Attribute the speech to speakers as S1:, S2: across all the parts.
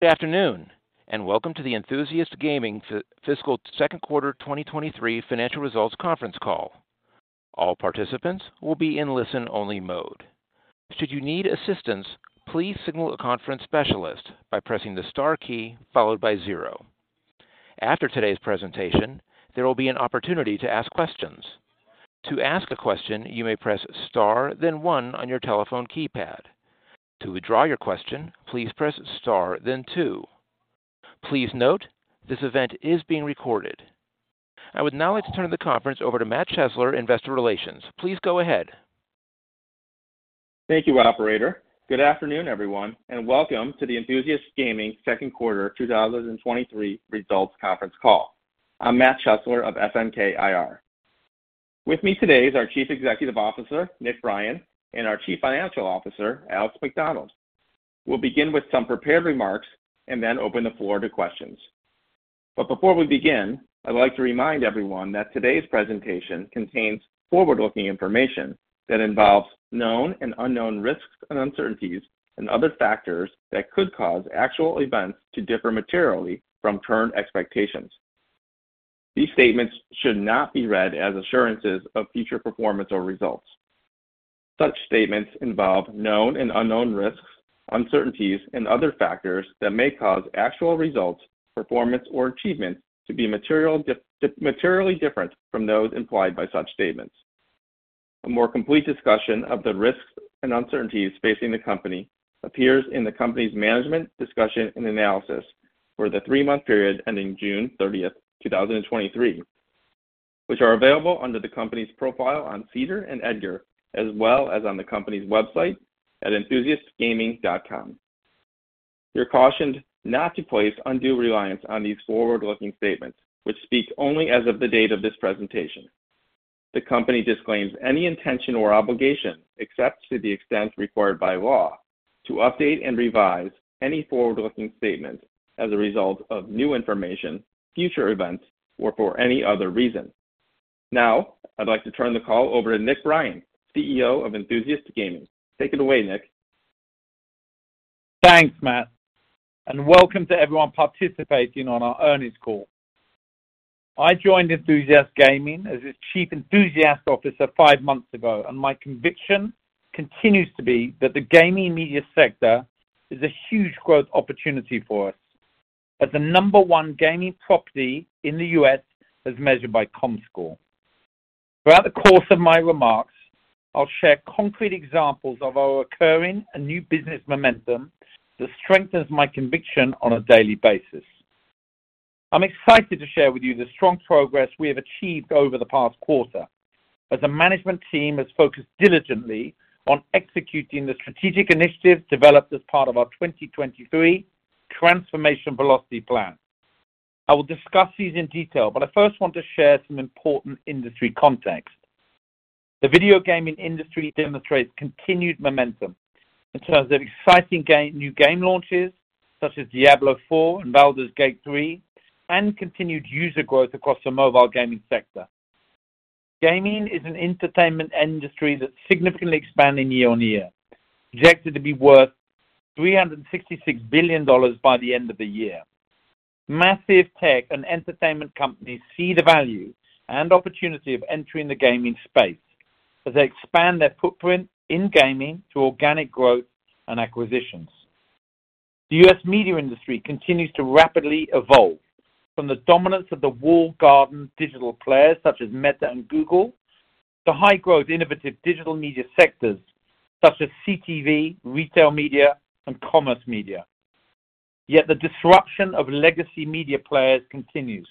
S1: Good afternoon, welcome to the Enthusiast Gaming Fiscal Second Quarter 2023 Financial Results Conference Call. All participants will be in listen-only mode. Should you need assistance, please signal a conference specialist by pressing the star key followed by 0. After today's presentation, there will be an opportunity to ask questions. To ask a question, you may press star, then 1 on your telephone keypad. To withdraw your question, please press star, then 2. Please note, this event is being recorded. I would now like to turn the conference over to Matt Chesler, Investor Relations. Please go ahead.
S2: Thank you, operator. Good afternoon, everyone, and welcome to the Enthusiast Gaming second quarter 2023 results conference call. I'm Matt Chesler of FNK IR. With me today is our Chief Executive Officer, Nick Brien, and our Chief Financial Officer, Alex Macdonald. We'll begin with some prepared remarks and then open the floor to questions. Before we begin, I'd like to remind everyone that today's presentation contains forward-looking information that involves known and unknown risks and uncertainties and other factors that could cause actual events to differ materially from current expectations. These statements should not be read as assurances of future performance or results. Such statements involve known and unknown risks, uncertainties, and other factors that may cause actual results, performance, or achievements to be materially different from those implied by such statements. A more complete discussion of the risks and uncertainties facing the company appears in the company's management discussion and analysis for the three-month period ending June 30th, 2023, which are available under the company's profile on SEDAR and EDGAR, as well as on the company's website at enthusiastgaming.com. You're cautioned not to place undue reliance on these forward-looking statements, which speak only as of the date of this presentation. The company disclaims any intention or obligation, except to the extent required by law, to update and revise any forward-looking statements as a result of new information, future events, or for any other reason. Now, I'd like to turn the call over to Nick Brien, CEO of Enthusiast Gaming. Take it away, Nick.
S3: Thanks, Matt, welcome to everyone participating on our earnings call. I joined Enthusiast Gaming as its Chief Enthusiast Officer five months ago, and my conviction continues to be that the gaming media sector is a huge growth opportunity for us as the number one gaming property in the U.S., as measured by Comscore. Throughout the course of my remarks, I'll share concrete examples of our occurring and new business momentum that strengthens my conviction on a daily basis. I'm excited to share with you the strong progress we have achieved over the past quarter, as the management team has focused diligently on executing the strategic initiatives developed as part of our 2023 Transformation Velocity Plan. I will discuss these in detail, I first want to share some important industry context. The video gaming industry demonstrates continued momentum in terms of exciting new game launches, such as Diablo IV and Baldur's Gate 3, and continued user growth across the mobile gaming sector. Gaming is an entertainment industry that's significantly expanding year-over-year, projected to be worth $366 billion by the end of the year. Massive tech and entertainment companies see the value and opportunity of entering the gaming space as they expand their footprint in gaming through organic growth and acquisitions. The U.S. media industry continues to rapidly evolve from the dominance of the walled garden digital players, such as Meta and Google, to high-growth, innovative digital media sectors such as CTV, retail media, and commerce media. Yet the disruption of legacy media players continues.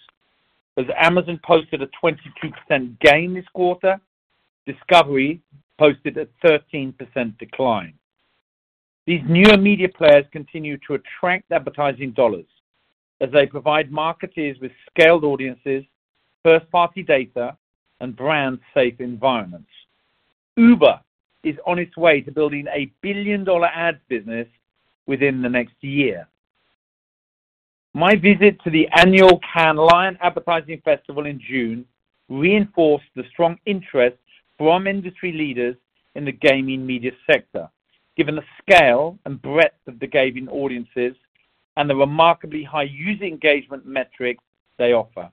S3: As Amazon posted a 22% gain this quarter, Discovery posted a 13% decline. These newer media players continue to attract advertising dollars as they provide marketers with scaled audiences, first-party data, and brand-safe environments. Uber is on its way to building a billion-dollar ad business within the next year. My visit to the annual Cannes Lions Advertising Festival in June reinforced the strong interest from industry leaders in the gaming media sector, given the scale and breadth of the gaming audiences and the remarkably high user engagement metrics they offer.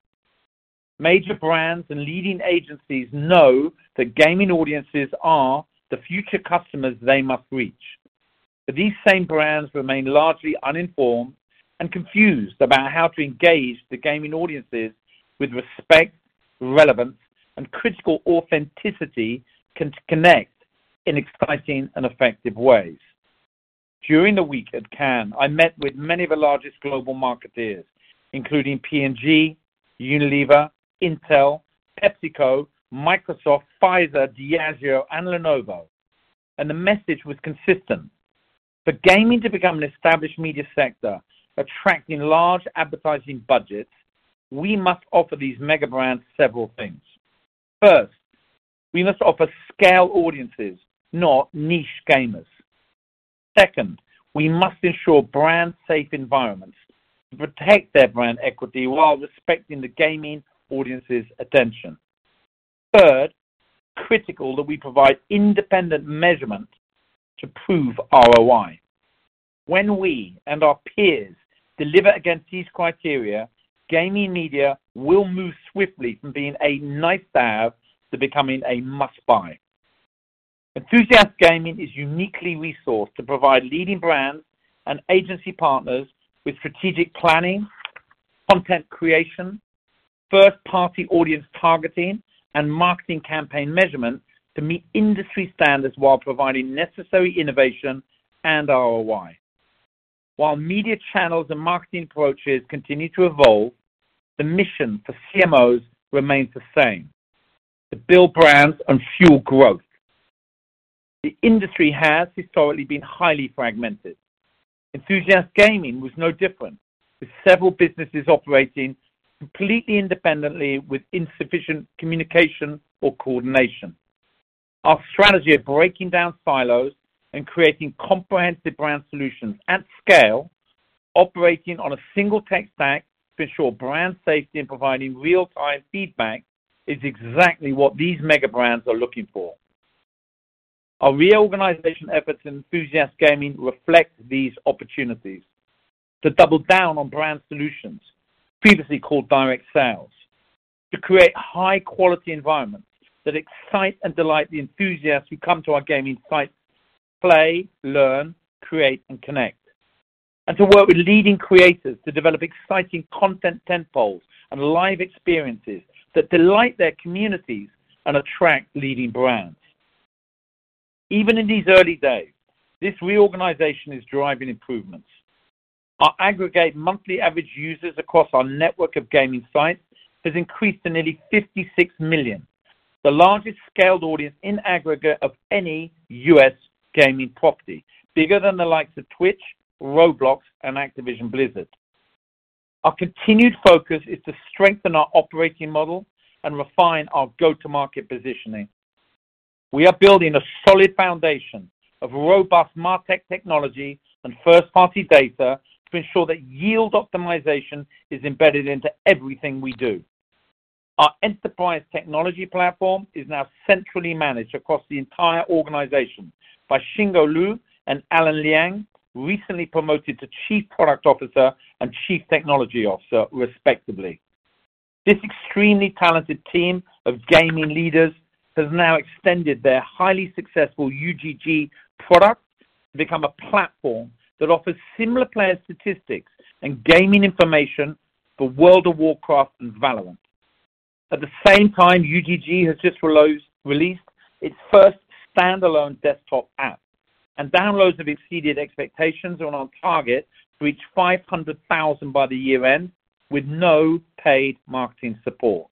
S3: These same brands remain largely uninformed and confused about how to engage the gaming audiences with respect, relevance, and critical authenticity to connect in exciting and effective ways. During the week at Cannes, I met with many of the largest global marketers, including P&G, Unilever, Intel, PepsiCo, Microsoft, Pfizer, Diageo, and Lenovo, and the message was consistent. For gaming to become an established media sector, attracting large advertising budgets, we must offer these mega brands several things. First, we must offer scale audiences, not niche gamers. Second, we must ensure brand-safe environments to protect their brand equity while respecting the gaming audience's attention. Third, critical that we provide independent measurement to prove ROI. When we and our peers deliver against these criteria, gaming media will move swiftly from being a nice-to-have to becoming a must-buy. Enthusiast Gaming is uniquely resourced to provide leading brands and agency partners with strategic planning, content creation, first-party audience targeting, and marketing campaign measurement to meet industry standards while providing necessary innovation and ROI. While media channels and marketing approaches continue to evolve, the mission for CMOs remains the same: to build brands and fuel growth. The industry has historically been highly fragmented. Enthusiast Gaming was no different, with several businesses operating completely independently with insufficient communication or coordination. Our strategy of breaking down silos and creating comprehensive Brand Solutions at scale, operating on a single tech stack to ensure brand safety and providing real-time feedback, is exactly what these mega brands are looking for. Our reorganization efforts in Enthusiast Gaming reflect these opportunities to double down on Brand Solutions, previously called direct sales; to create high-quality environments that excite and delight the enthusiasts who come to our gaming sites to play, learn, create and connect; and to work with leading creators to develop exciting content tentpoles and live experiences that delight their communities and attract leading brands. Even in these early days, this reorganization is driving improvements. Our aggregate monthly average users across our network of gaming sites has increased to nearly 56 million, the largest scaled audience in aggregate of any U.S. gaming property, bigger than the likes of Twitch, Roblox, and Activision Blizzard. Our continued focus is to strengthen our operating model and refine our go-to-market positioning. We are building a solid foundation of robust MarTech technology and first-party data to ensure that yield optimization is embedded into everything we do. Our enterprise technology platform is now centrally managed across the entire organization by Shinggo Lu and Alan Liang, recently promoted to Chief Product Officer and Chief Technology Officer, respectively. This extremely talented team of gaming leaders has now extended their highly successful U.GG product to become a platform that offers similar player statistics and gaming information for World of Warcraft and Valorant. At the same time, U.GG has just released its first standalone desktop app, and downloads have exceeded expectations and on target to reach 500,000 by the year-end, with no paid marketing support.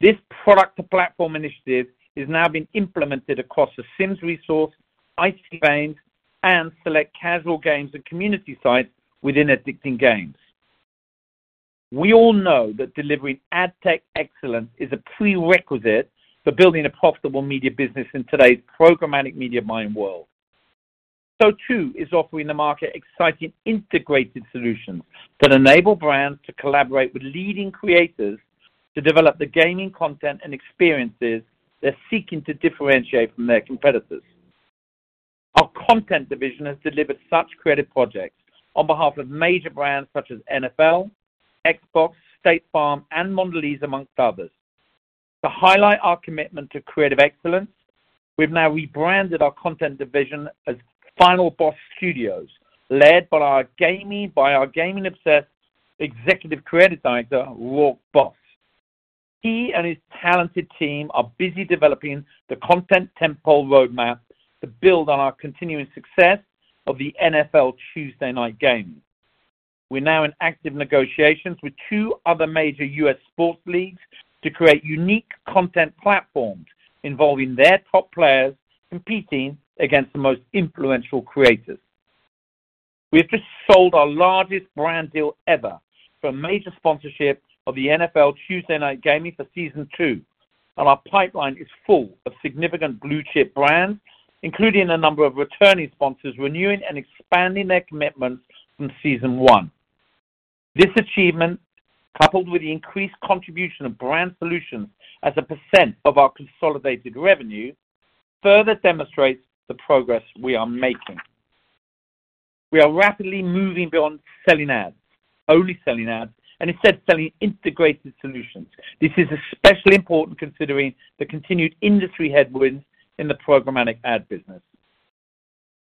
S3: This product to platform initiative is now being implemented across The Sims Resource, Icy Veins, and select casual games and community sites within Addicting Games. We all know that delivering ad tech excellence is a prerequisite for building a profitable media business in today's programmatic media buying world. Too, is offering the market exciting integrated solutions that enable brands to collaborate with leading creators to develop the gaming content and experiences they're seeking to differentiate from their competitors. Our content division has delivered such creative projects on behalf of major brands such as NFL, Xbox, State Farm, and Mondelez, amongst others. To highlight our commitment to creative excellence, we've now rebranded our content division as Final Boss Studios, led by our gaming-obsessed Executive Creative Director, Rorke Frost. He and his talented team are busy developing the content tentpole roadmap to build on our continuing success of the NFL Tuesday Night Games. We're now in active negotiations with two other major U.S. sports leagues to create unique content platforms involving their top players competing against the most influential creators. We have just sold our largest brand deal ever for a major sponsorship of the NFL Tuesday Night Gaming for Season 2, and our pipeline is full of significant blue-chip brands, including a number of returning sponsors, renewing and expanding their commitments from Season 1. This achievement, coupled with the increased contribution of Brand Solutions as a percentage of our consolidated revenue, further demonstrates the progress we are making. We are rapidly moving beyond selling ads, only selling ads, and instead selling integrated solutions. This is especially important considering the continued industry headwinds in the programmatic ad business.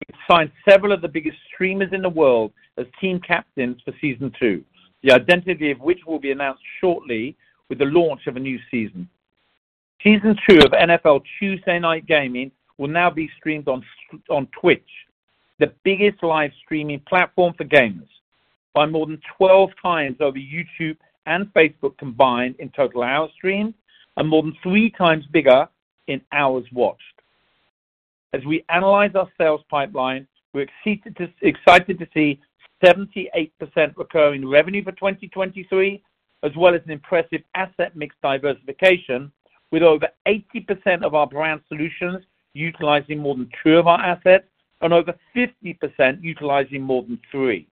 S3: We've signed several of the biggest streamers in the world as team captains for Season Two, the identity of which will be announced shortly with the launch of a new season. Season Two of NFL Tuesday Night Gaming will now be streamed on Twitch, the biggest live-streaming platform for gamers, by more than 12 times over YouTube and Facebook combined in total hours streamed, and more than three times bigger in hours watched. As we analyze our sales pipeline, we're excited to see 78% recurring revenue for 2023, as well as an impressive asset-mix diversification, with over 80% of our Brand Solutions utilizing more than two of our assets and over 50% utilizing more than three.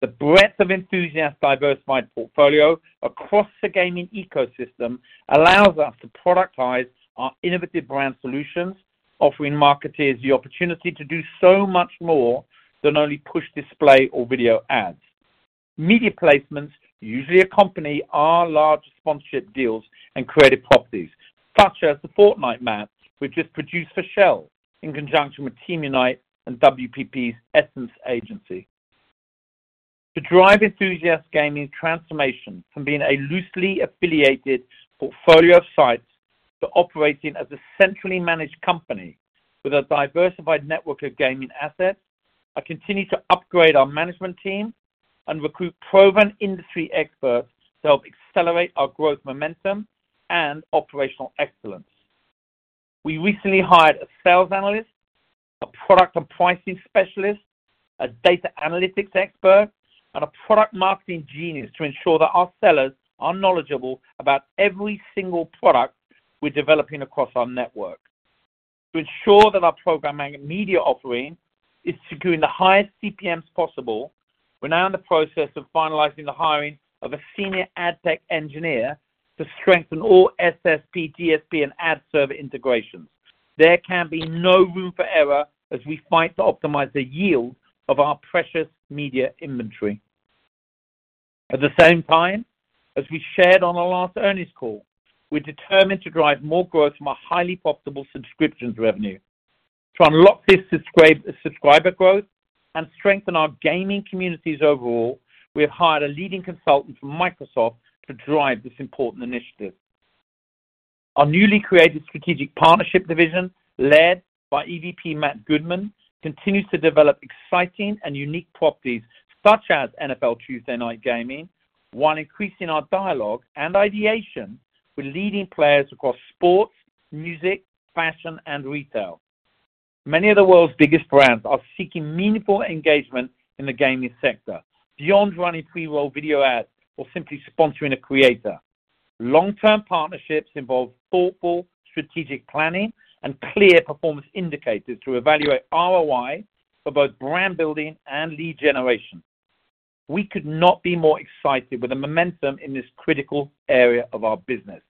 S3: The breadth of Enthusiast's diversified portfolio across the gaming ecosystem allows us to productize our innovative Brand Solutions, offering marketers the opportunity to do so much more than only push display or video ads. Media placements usually accompany our large sponsorship deals and creative properties, such as the Fortnite map, we just produced for Shell in conjunction with Team Unite and WPP's Essence agency. To drive Enthusiast Gaming's transformation from being a loosely affiliated portfolio of sites to operating as a centrally managed company with a diversified network of gaming assets, I continue to upgrade our management team and recruit proven industry experts to help accelerate our growth momentum and operational excellence. We recently hired a sales analyst, a product and pricing specialist, a data analytics expert, and a product marketing genius to ensure that our sellers are knowledgeable about every single product we're developing across our network. To ensure that our programming and media offering is securing the highest CPMs possible, we're now in the process of finalizing the hiring of a senior ad tech engineer to strengthen all SSP, DSP, and ad server integrations. There can be no room for error as we fight to optimize the yield of our precious media inventory. At the same time, as we shared on our last earnings call, we're determined to drive more growth from our highly profitable subscriptions revenue. To unlock this subscribe- subscriber growth and strengthen our gaming communities overall, we have hired a leading consultant from Microsoft to drive this important initiative. Our newly created strategic partnership division, led by EVP Matt Goodman, continues to develop exciting and unique properties such as NFL Tuesday Night Gaming, while increasing our dialogue and ideation with leading players across sports, music, fashion, and retail. Many of the world's biggest brands are seeking meaningful engagement in the gaming sector, beyond running pre-roll video ads or simply sponsoring a creator. Long-term partnerships involve thoughtful strategic planning and clear performance indicators to evaluate ROI for both brand building and lead generation. We could not be more excited with the momentum in this critical area of our business.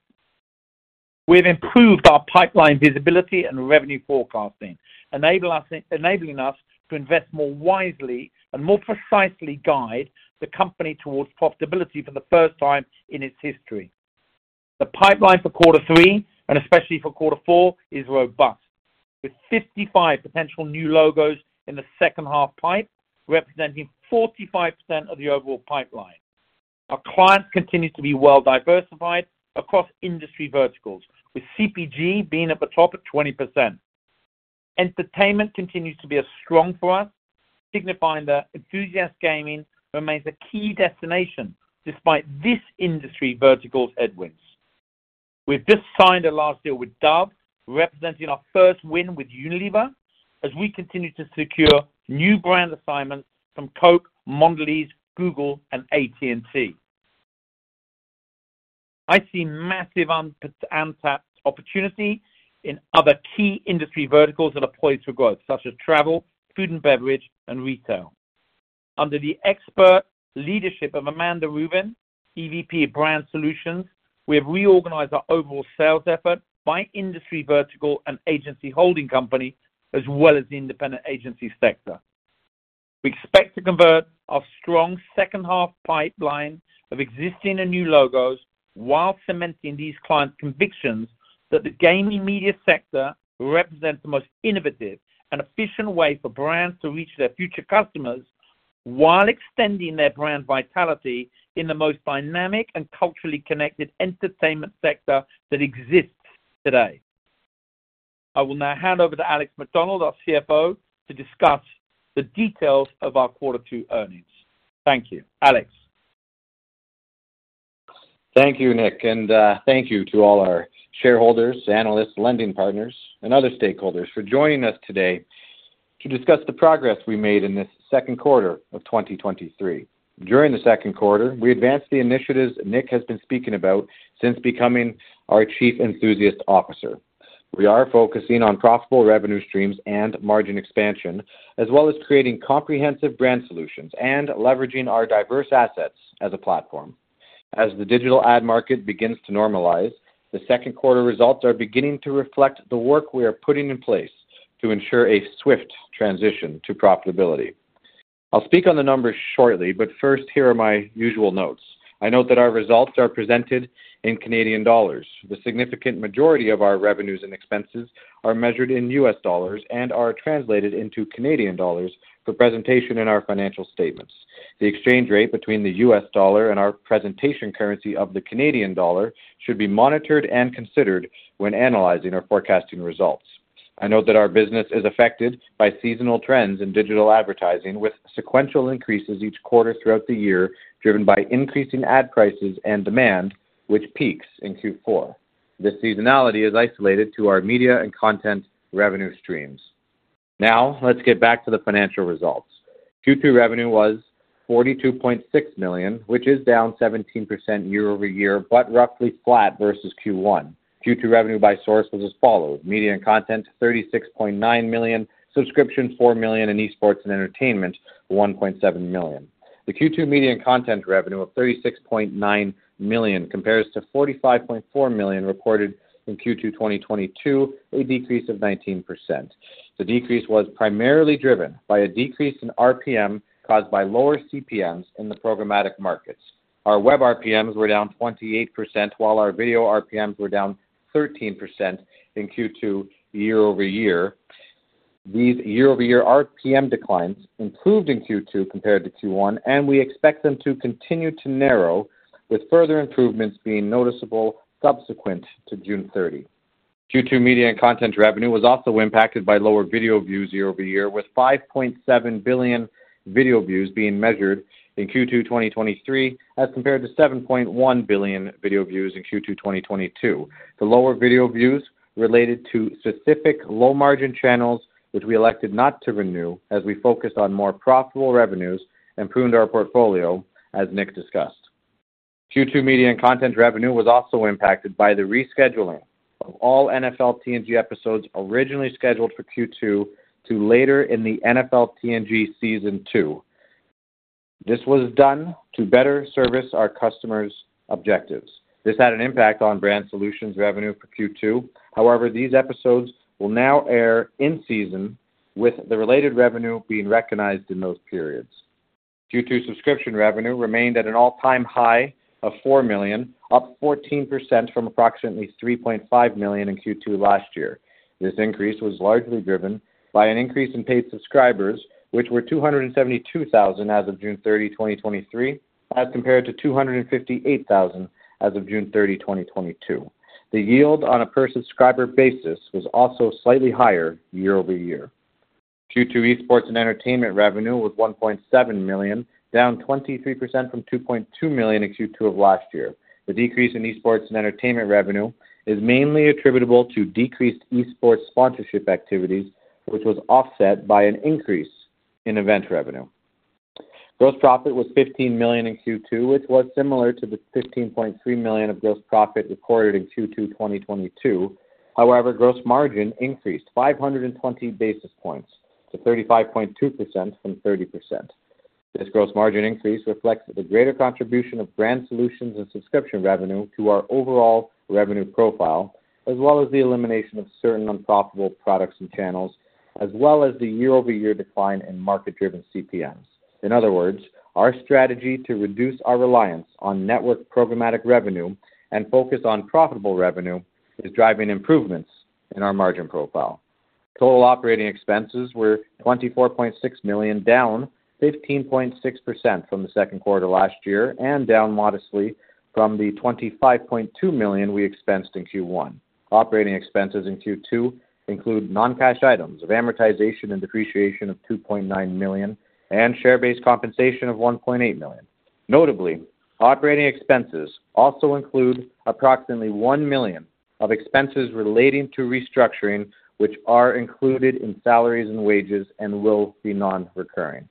S3: We've improved our pipeline visibility and revenue forecasting, enabling us to invest more wisely and more precisely guide the company towards profitability for the first time in its history. The pipeline for quarter three, and especially for quarter four, is robust, with 55 potential new logos in the second half pipe, representing 45% of the overall pipeline. Our clients continue to be well diversified across industry verticals, with CPG being at the top at 20%. Entertainment continues to be strong for us, signifying that Enthusiast Gaming remains a key destination despite this industry vertical's headwinds. We've just signed a large deal with Dove, representing our first win with Unilever, as we continue to secure new brand assignments from Coke, Mondelez, Google, and AT&T. I see massive untapped opportunity in other key industry verticals that are poised for growth, such as travel, food and beverage, and retail. Under the expert leadership of Amanda Rubin, EVP of Brand Solutions, we have reorganized our overall sales effort by industry vertical and agency holding company, as well as the independent agency sector. We expect to convert our strong second-half pipeline of existing and new logos while cementing these clients' convictions that the gaming media sector represents the most innovative and efficient way for brands to reach their future customers while extending their brand vitality in the most dynamic and culturally connected entertainment sector that exists today. I will now hand over to Alex Macdonald, our CFO, to discuss the details of our Quarter Two earnings. Thank you. Alex?
S4: Thank you, Nick, thank you to all our shareholders, analysts, lending partners, and other stakeholders for joining us today to discuss the progress we made in this 2Q of 2023. During the second quarter, we advanced the initiatives Nick has been speaking about since becoming our Chief Enthusiast Officer. We are focusing on profitable revenue streams and margin expansion, as well as creating comprehensive Brand Solutions and leveraging our diverse assets as a platform. As the digital ad market begins to normalize, the second quarter results are beginning to reflect the work we are putting in place to ensure a swift transition to profitability. I'll speak on the numbers shortly, but first, here are my usual notes. I note that our results are presented in Canadian dollars. The significant majority of our revenues and expenses are measured in US dollars and are translated into Canadian dollars for presentation in our financial statements. The exchange rate between the US dollar and our presentation currency of the Canadian dollar should be monitored and considered when analyzing or forecasting results. I know that our business is affected by seasonal trends in digital advertising, with sequential increases each quarter throughout the year, driven by increasing ad prices and demand, which peaks in Q4. This seasonality is isolated to our Media and Content revenue streams. Now, let's get back to the financial results. Q2 revenue was 42.6 million, which is down 17% year-over-year, but roughly flat versus Q1. Q2 revenue by source was as follows: Media and Content, 36.9 million; subscription, 4 million; and Esports and Entertainment, 1.7 million. The Q2 Media and Content revenue of $36.9 million compares to $45.4 million reported in Q2 2022, a decrease of 19%. The decrease was primarily driven by a decrease in RPM caused by lower CPMs in the programmatic markets. Our web RPMs were down 28%, while our video RPMs were down 13% in Q2 year-over-year. These year-over-year RPM declines improved in Q2 compared to Q1, and we expect them to continue to narrow, with further improvements being noticeable subsequent to June 30. Q2 Media and Content revenue was also impacted by lower video views year-over-year, with 5.7 billion video views being measured in Q2 2023, as compared to 7.1 billion video views in Q2 2022. The lower video views related to specific low-margin channels, which we elected not to renew as we focused on more profitable revenues and pruned our portfolio, as Nick discussed. Q2 Media and Content revenue was also impacted by the rescheduling of all NFL TNG episodes originally scheduled for Q2 to later in the NFL TNG Season 2. This was done to better service our customers' objectives. This had an impact on Brand Solutions revenue for Q2. These episodes will now air in season, with the related revenue being recognized in those periods. Q2 subscription revenue remained at an all-time high of $4 million, up 14% from approximately $3.5 million in Q2 last year. This increase was largely driven by an increase in paid subscribers, which were 272,000 as of June 30, 2023, as compared to 258,000 as of June 30, 2022. The yield on a per subscriber basis was also slightly higher year-over-year. Q2 esports and entertainment revenue was 1.7 million, down 23% from 2.2 million in Q2 of last year. The decrease in esports and entertainment revenue is mainly attributable to decreased esports sponsorship activities, which was offset by an increase in event revenue. Gross profit was 15 million in Q2, which was similar to the 15.3 million of gross profit recorded in Q2 2022. Gross margin increased 520 basis points to 35.2% from 30%. This gross margin increase reflects the greater contribution of Brand Solutions and subscription revenue to our overall revenue profile, as well as the elimination of certain unprofitable products and channels, as well as the year-over-year decline in market-driven CPMs. In other words, our strategy to reduce our reliance on network programmatic revenue and focus on profitable revenue is driving improvements in our margin profile. Total operating expenses were 24.6 million, down 15.6% from the second quarter last year and down modestly from the 25.2 million we expensed in Q1. Operating expenses in Q2 include non-cash items of amortization and depreciation of 2.9 million and share-based compensation of 1.8 million. Notably, operating expenses also include approximately 1 million of expenses relating to restructuring, which are included in salaries and wages and will be non-recurring.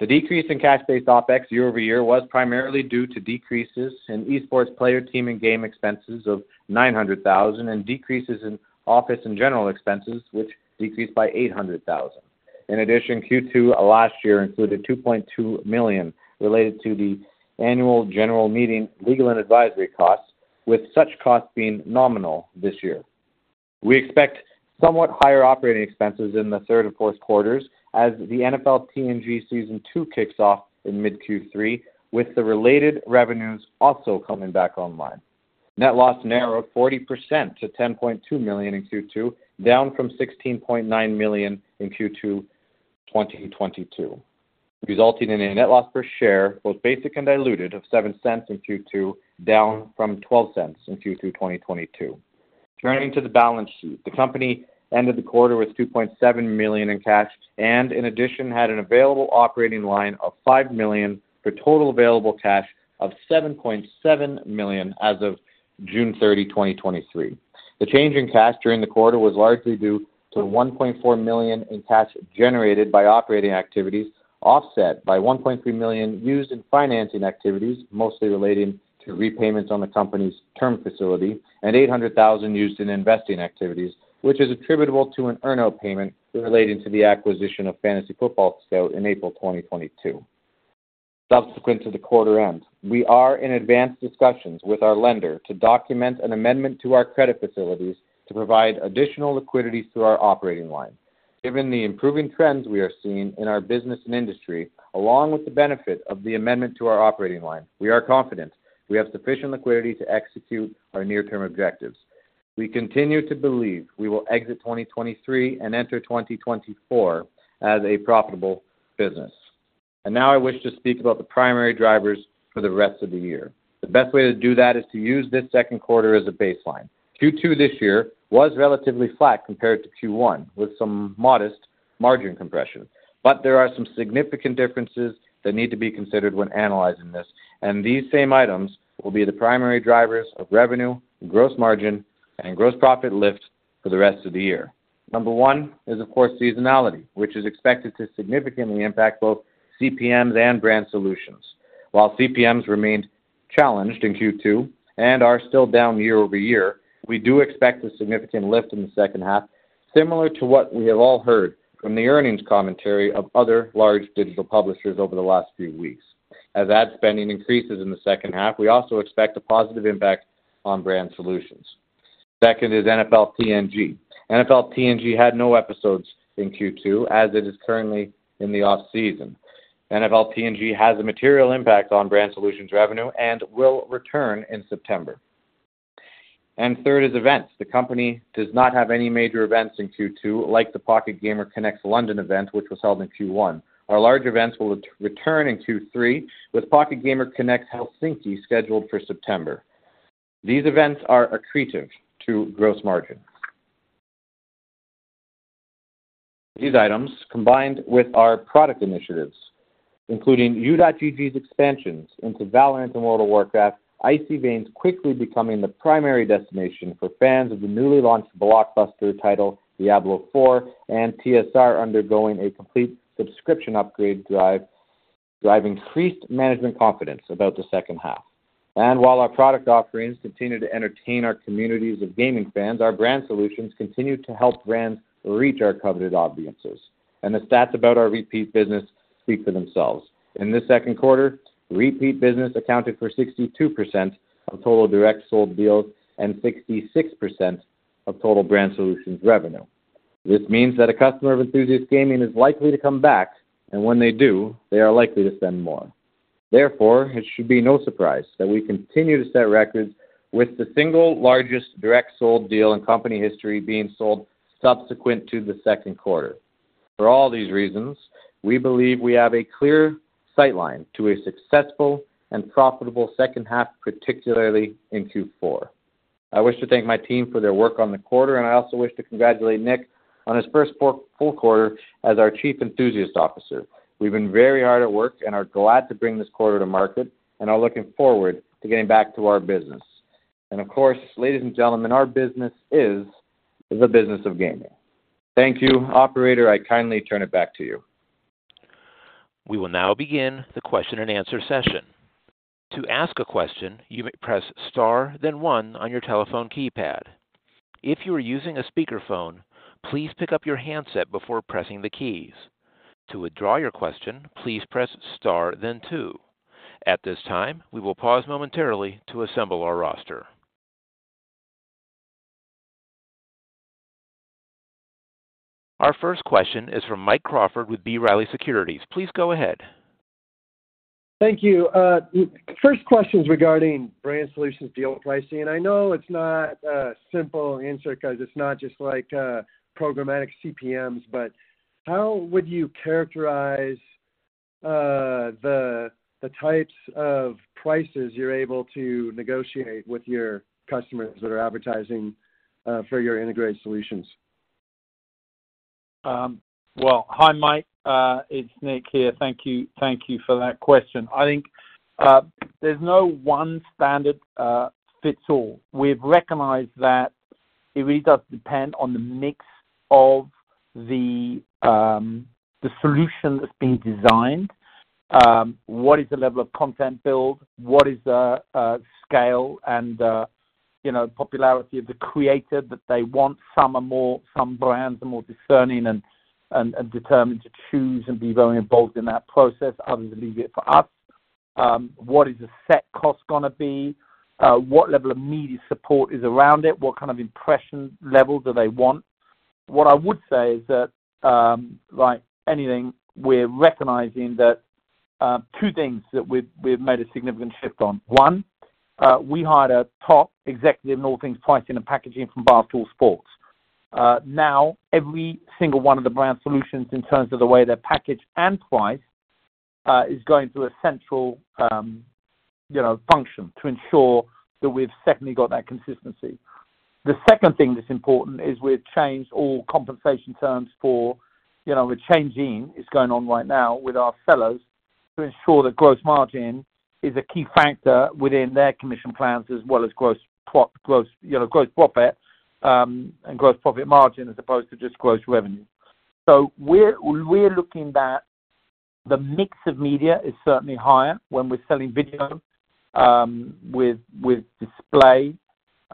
S4: The decrease in cash-based OpEx year-over-year was primarily due to decreases in esports player, team, and game expenses of $900,000 and decreases in office and general expenses, which decreased by $800,000. In addition, Q2 last year included $2.2 million related to the annual general meeting, legal and advisory costs, with such costs being nominal this year. We expect somewhat higher operating expenses in the third and fourth quarters as the NFL TNG Season 2 kicks off in mid-Q3, with the related revenues also coming back online. Net loss narrowed 40% to $10.2 million in Q2, down from $16.9 million in Q2 2022, resulting in a net loss per share, both basic and diluted, of $0.07 in Q2, down from $0.12 in Q2 2022. Turning to the balance sheet, the company ended the quarter with $2.7 million in cash and in addition, had an available operating line of $5 million, for total available cash of $7.7 million as of June 30, 2023. The change in cash during the quarter was largely due to $1.4 million in cash generated by operating activities, offset by $1.3 million used in financing activities, mostly relating to repayments on the company's term facility and $800,000 used in investing activities, which is attributable to an earn out payment relating to the acquisition of Fantasy Football Scout in April 2022. Subsequent to the quarter end, we are in advanced discussions with our lender to document an amendment to our credit facilities to provide additional liquidity through our operating line. Given the improving trends we are seeing in our business and industry, along with the benefit of the amendment to our operating line, we are confident we have sufficient liquidity to execute our near-term objectives. We continue to believe we will exit 2023 and enter 2024 as a profitable business. Now I wish to speak about the primary drivers for the rest of the year. The best way to do that is to use this second quarter as a baseline. Q2 this year was relatively flat compared to Q1, with some modest margin compression. There are some significant differences that need to be considered when analyzing this, and these same items will be the primary drivers of revenue, gross margin, and gross profit lift for the rest of the year. Number one is, of course, seasonality, which is expected to significantly impact both CPMs and brand solutions. While CPMs remained challenged in Q2 and are still down year-over-year, we do expect a significant lift in the second half, similar to what we have all heard from the earnings commentary of other large digital publishers over the last few weeks. As ad spending increases in the second half, we also expect a positive impact on brand solutions. Second is NFL TNG. NFL TNG had no episodes in Q2, as it is currently in the off-season. NFL TNG has a material impact on brand solutions revenue and will return in September. Third is events. The company does not have any major events in Q2, like the Pocket Gamer Connects London event, which was held in Q1. Our large events will return in Q3, with Pocket Gamer Connects Helsinki scheduled for September. These events are accretive to gross margin. These items, combined with our product initiatives, including U.GG's expansions into Valorant and World of Warcraft, Icy Veins quickly becoming the primary destination for fans of the newly launched blockbuster title, Diablo IV, and TSR undergoing a complete subscription upgrade drive, drive increased management confidence about the second half. While our product offerings continue to entertain our communities of gaming fans, our Brand Solutions continue to help brands reach our coveted audiences, and the stats about our repeat business speak for themselves. In this second quarter, repeat business accounted for 62% of total direct sold deals and 66% of total Brand Solutions revenue. This means that a customer of Enthusiast Gaming is likely to come back, and when they do, they are likely to spend more. Therefore, it should be no surprise that we continue to set records with the single largest direct sold deal in company history being sold subsequent to the second quarter. For all these reasons, we believe we have a clear sight line to a successful and profitable second half, particularly in Q4. I wish to thank my team for their work on the quarter, and I also wish to congratulate Nick on his first 4- full quarter as our Chief Enthusiast Officer. We've been very hard at work and are glad to bring this quarter to market and are looking forward to getting back to our business. Of course, ladies and gentlemen, our business is the business of gaming. Thank you. Operator, I kindly turn it back to you.
S1: We will now begin the question and answer session. To ask a question, you may press Star, then one on your telephone keypad. If you are using a speakerphone, please pick up your handset before pressing the keys. To withdraw your question, please press Star then two. At this time, we will pause momentarily to assemble our roster. Our first question is from Mike Crawford with B. Riley Securities. Please go ahead.
S5: Thank you. The first question is regarding Brand Solutions deal pricing, and I know it's not a simple answer because it's not just like, programmatic CPMs, but how would you characterize the, the types of prices you're able to negotiate with your customers that are advertising for your integrated solutions?
S3: Well, hi, Mike. It's Nick here. Thank you. Thank you for that question. I think there's no one standard fits all. We've recognized that it really does depend on the mix of the solution that's being designed. What is the level of content build? What is the scale and the, you know, popularity of the creator that they want? Some brands are more discerning and, and, and determined to choose and be very involved in that process, others leave it for us. What is the set cost gonna be? What level of media support is around it? What kind of impression level do they want? What I would say is that, like anything, we're recognizing that two things that we've, we've made a significant shift on. One, we hired a top executive in all things pricing and packaging from Barstool Sports. Now, every single one of the Brand Solutions in terms of the way they're packaged and priced, is going through a central, you know, function to ensure that we've certainly got that consistency. The second thing that's important is we've changed all compensation terms for, you know, a change in is going on right now with our sellers to ensure that gross margin is a key factor within their commission plans, as well as gross prop-- gross, you know, gross profit, and gross profit margin, as opposed to just gross revenue. We're, we're looking that the mix of media is certainly higher when we're selling video, with, with display.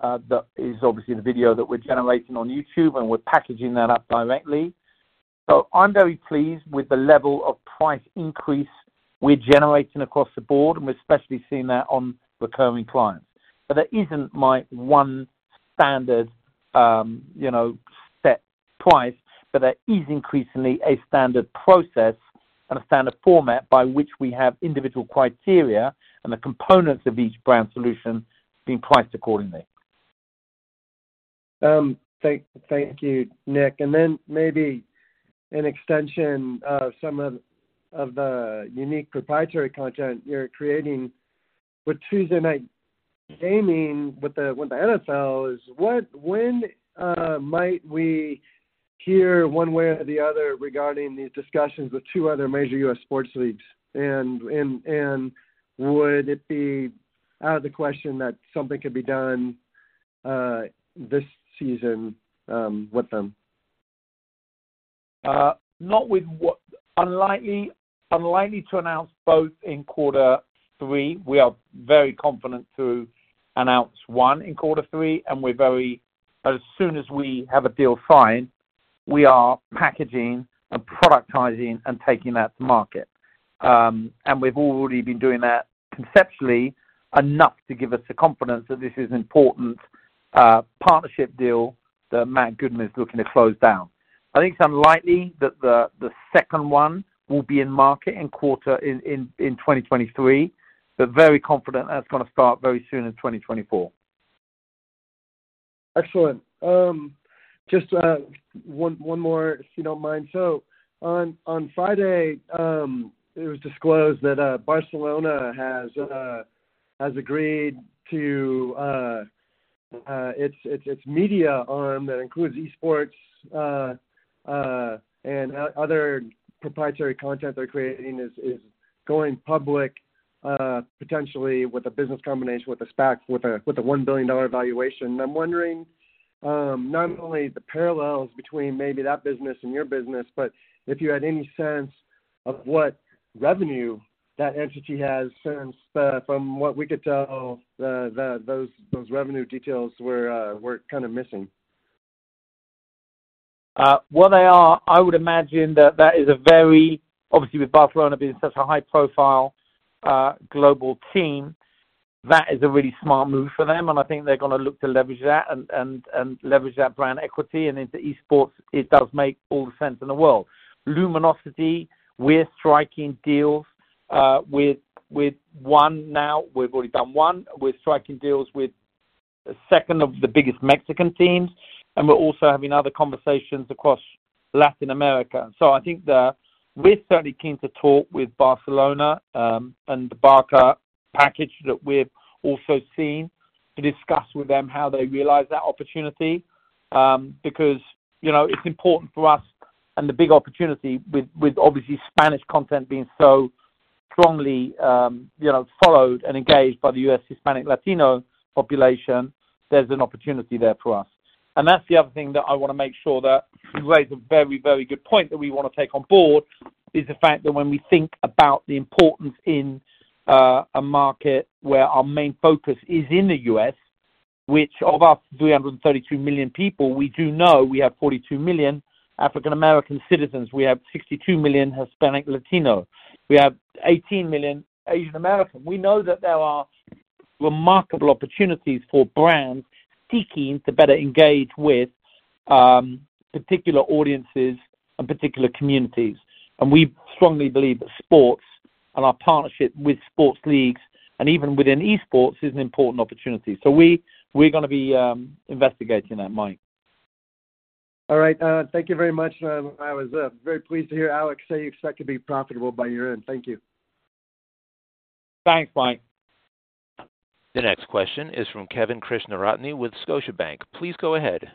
S3: That is obviously the video that we're generating on YouTube, and we're packaging that up directly. I'm very pleased with the level of price increase we're generating across the board, and we're especially seeing that on recurring clients. There isn't my one standard, you know, set price, but there is increasingly a standard process and a standard format by which we have individual criteria and the components of each Brand Solution being priced accordingly.
S5: Thank, thank you, Nick. Maybe an extension of some of, of the unique proprietary content you're creating with Tuesday Night Gaming, with the, with the NFL, is what-- when might we hear one way or the other regarding these discussions with two other major U.S. sports leagues? Would it be out of the question that something could be done this season with them?
S3: Unlikely, unlikely to announce both in quarter three. We are very confident to announce one in quarter three, as soon as we have a deal signed, we are packaging and productizing and taking that to market. We've already been doing that conceptually enough to give us the confidence that this is important partnership deal that Matt Goodman is looking to close down. I think it's unlikely that the second one will be in market in 2023, but very confident that's going to start very soon in 2024.
S5: Excellent. Just one, one more, if you don't mind. On, on Friday, it was disclosed that Barstool Sports has has agreed to its, its, its media arm that includes esports and other proprietary content they're creating is is going public, potentially with a business combination, with a SPAC, with a with a $1 billion valuation. I'm wondering, not only the parallels between maybe that business and your business, but if you had any sense of what revenue that entity has, since from what we could tell, the, the, those, those revenue details were kind of missing?
S3: Well, they are. I would imagine that that is a very obviously, with Barcelona being such a high-profile, global team, that is a really smart move for them, and I think they're going to look to leverage that and leverage that brand equity, and into esports, it does make all the sense in the world. Luminosity, we're striking deals with, with one now. We've already done one. We're striking deals with the second of the biggest Mexican teams, and we're also having other conversations across Latin America. I think that we're certainly keen to talk with Barcelona, and the Barca package that we've also seen, to discuss with them how they realize that opportunity. Because, you know, it's important for us and the big opportunity with, with obviously Spanish content being so strongly, you know, followed and engaged by the US Hispanic, Latino population, there's an opportunity there for us. That's the other thing that I want to make sure that you raise a very, very good point that we want to take on board, is the fact that when we think about the importance in, a market where our main focus is in the US, which of our 332 million people, we do know we have 42 million African American citizens, we have 62 million Hispanic, Latino, we have 18 million Asian American. We know that there are remarkable opportunities for brands seeking to better engage with, particular audiences and particular communities. We strongly believe that sports and our partnership with sports leagues, and even within esports, is an important opportunity. We, we're going to be, investigating that, Mike.
S5: All right, thank you very much. I was very pleased to hear Alex say you expect to be profitable by year-end. Thank you.
S3: Thanks, Mike.
S1: The next question is from Kevin Krishnaratne with Scotiabank. Please go ahead.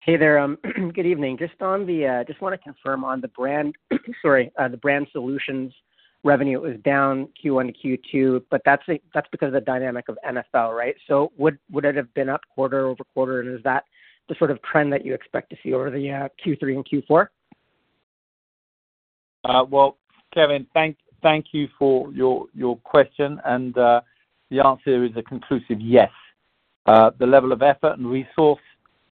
S6: Hey there, good evening. Just on the, just want to confirm on the brand, sorry, the Brand Solutions revenue was down Q1 to Q2. That's because of the dynamic of NFL, right? Would it have been up quarter-over-quarter, and is that the sort of trend that you expect to see over the Q3 and Q4?
S3: Well, Kevin, thank, thank you for your, your question, and the answer is a conclusive yes. The level of effort and resource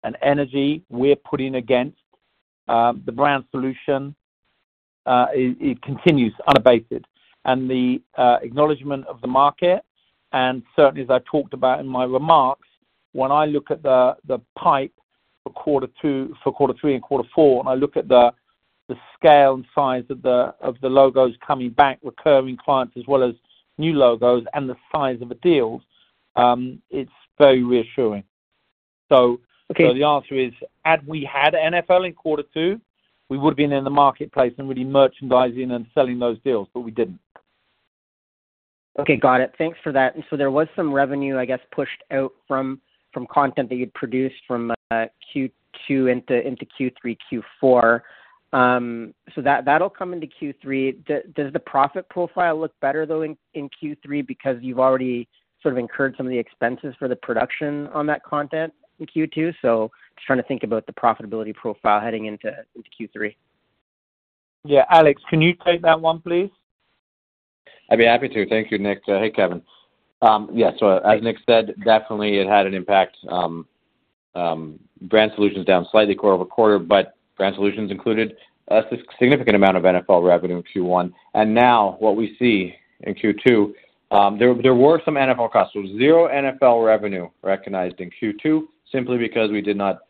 S3: and energy we're putting against the Brand Solutions, it, it continues unabated. The acknowledgment of the market, and certainly, as I talked about in my remarks, when I look at the, the pipe for quarter two-- for quarter three and quarter four, and I look at the, the scale and size of the, of the logos coming back, recurring clients as well as new logos and the size of the deals, it's very reassuring.
S6: Okay.
S3: The answer is, had we had NFL in quarter two, we would have been in the marketplace and we'd be merchandising and selling those deals, but we didn't.
S6: Okay, got it. Thanks for that. There was some revenue, I guess, pushed out from, from content that you'd produced from, Q2 into, into Q3, Q4. That, that'll come into Q3. Does the profit profile look better, though, in, in Q3 because you've already sort of incurred some of the expenses for the production on that content in Q2? Just trying to think about the profitability profile heading into, into Q3.
S3: Yeah. Alex, can you take that one, please?
S4: I'd be happy to. Thank you, Nick. Hey, Kevin. Yeah, as Nick said, definitely it had an impact. Brand Solutions down slightly quarter-over-quarter, but Brand Solutions included a significant amount of NFL revenue in Q1. What we see in Q2, there, there were some NFL customers, zero NFL revenue recognized in Q2 simply because we did not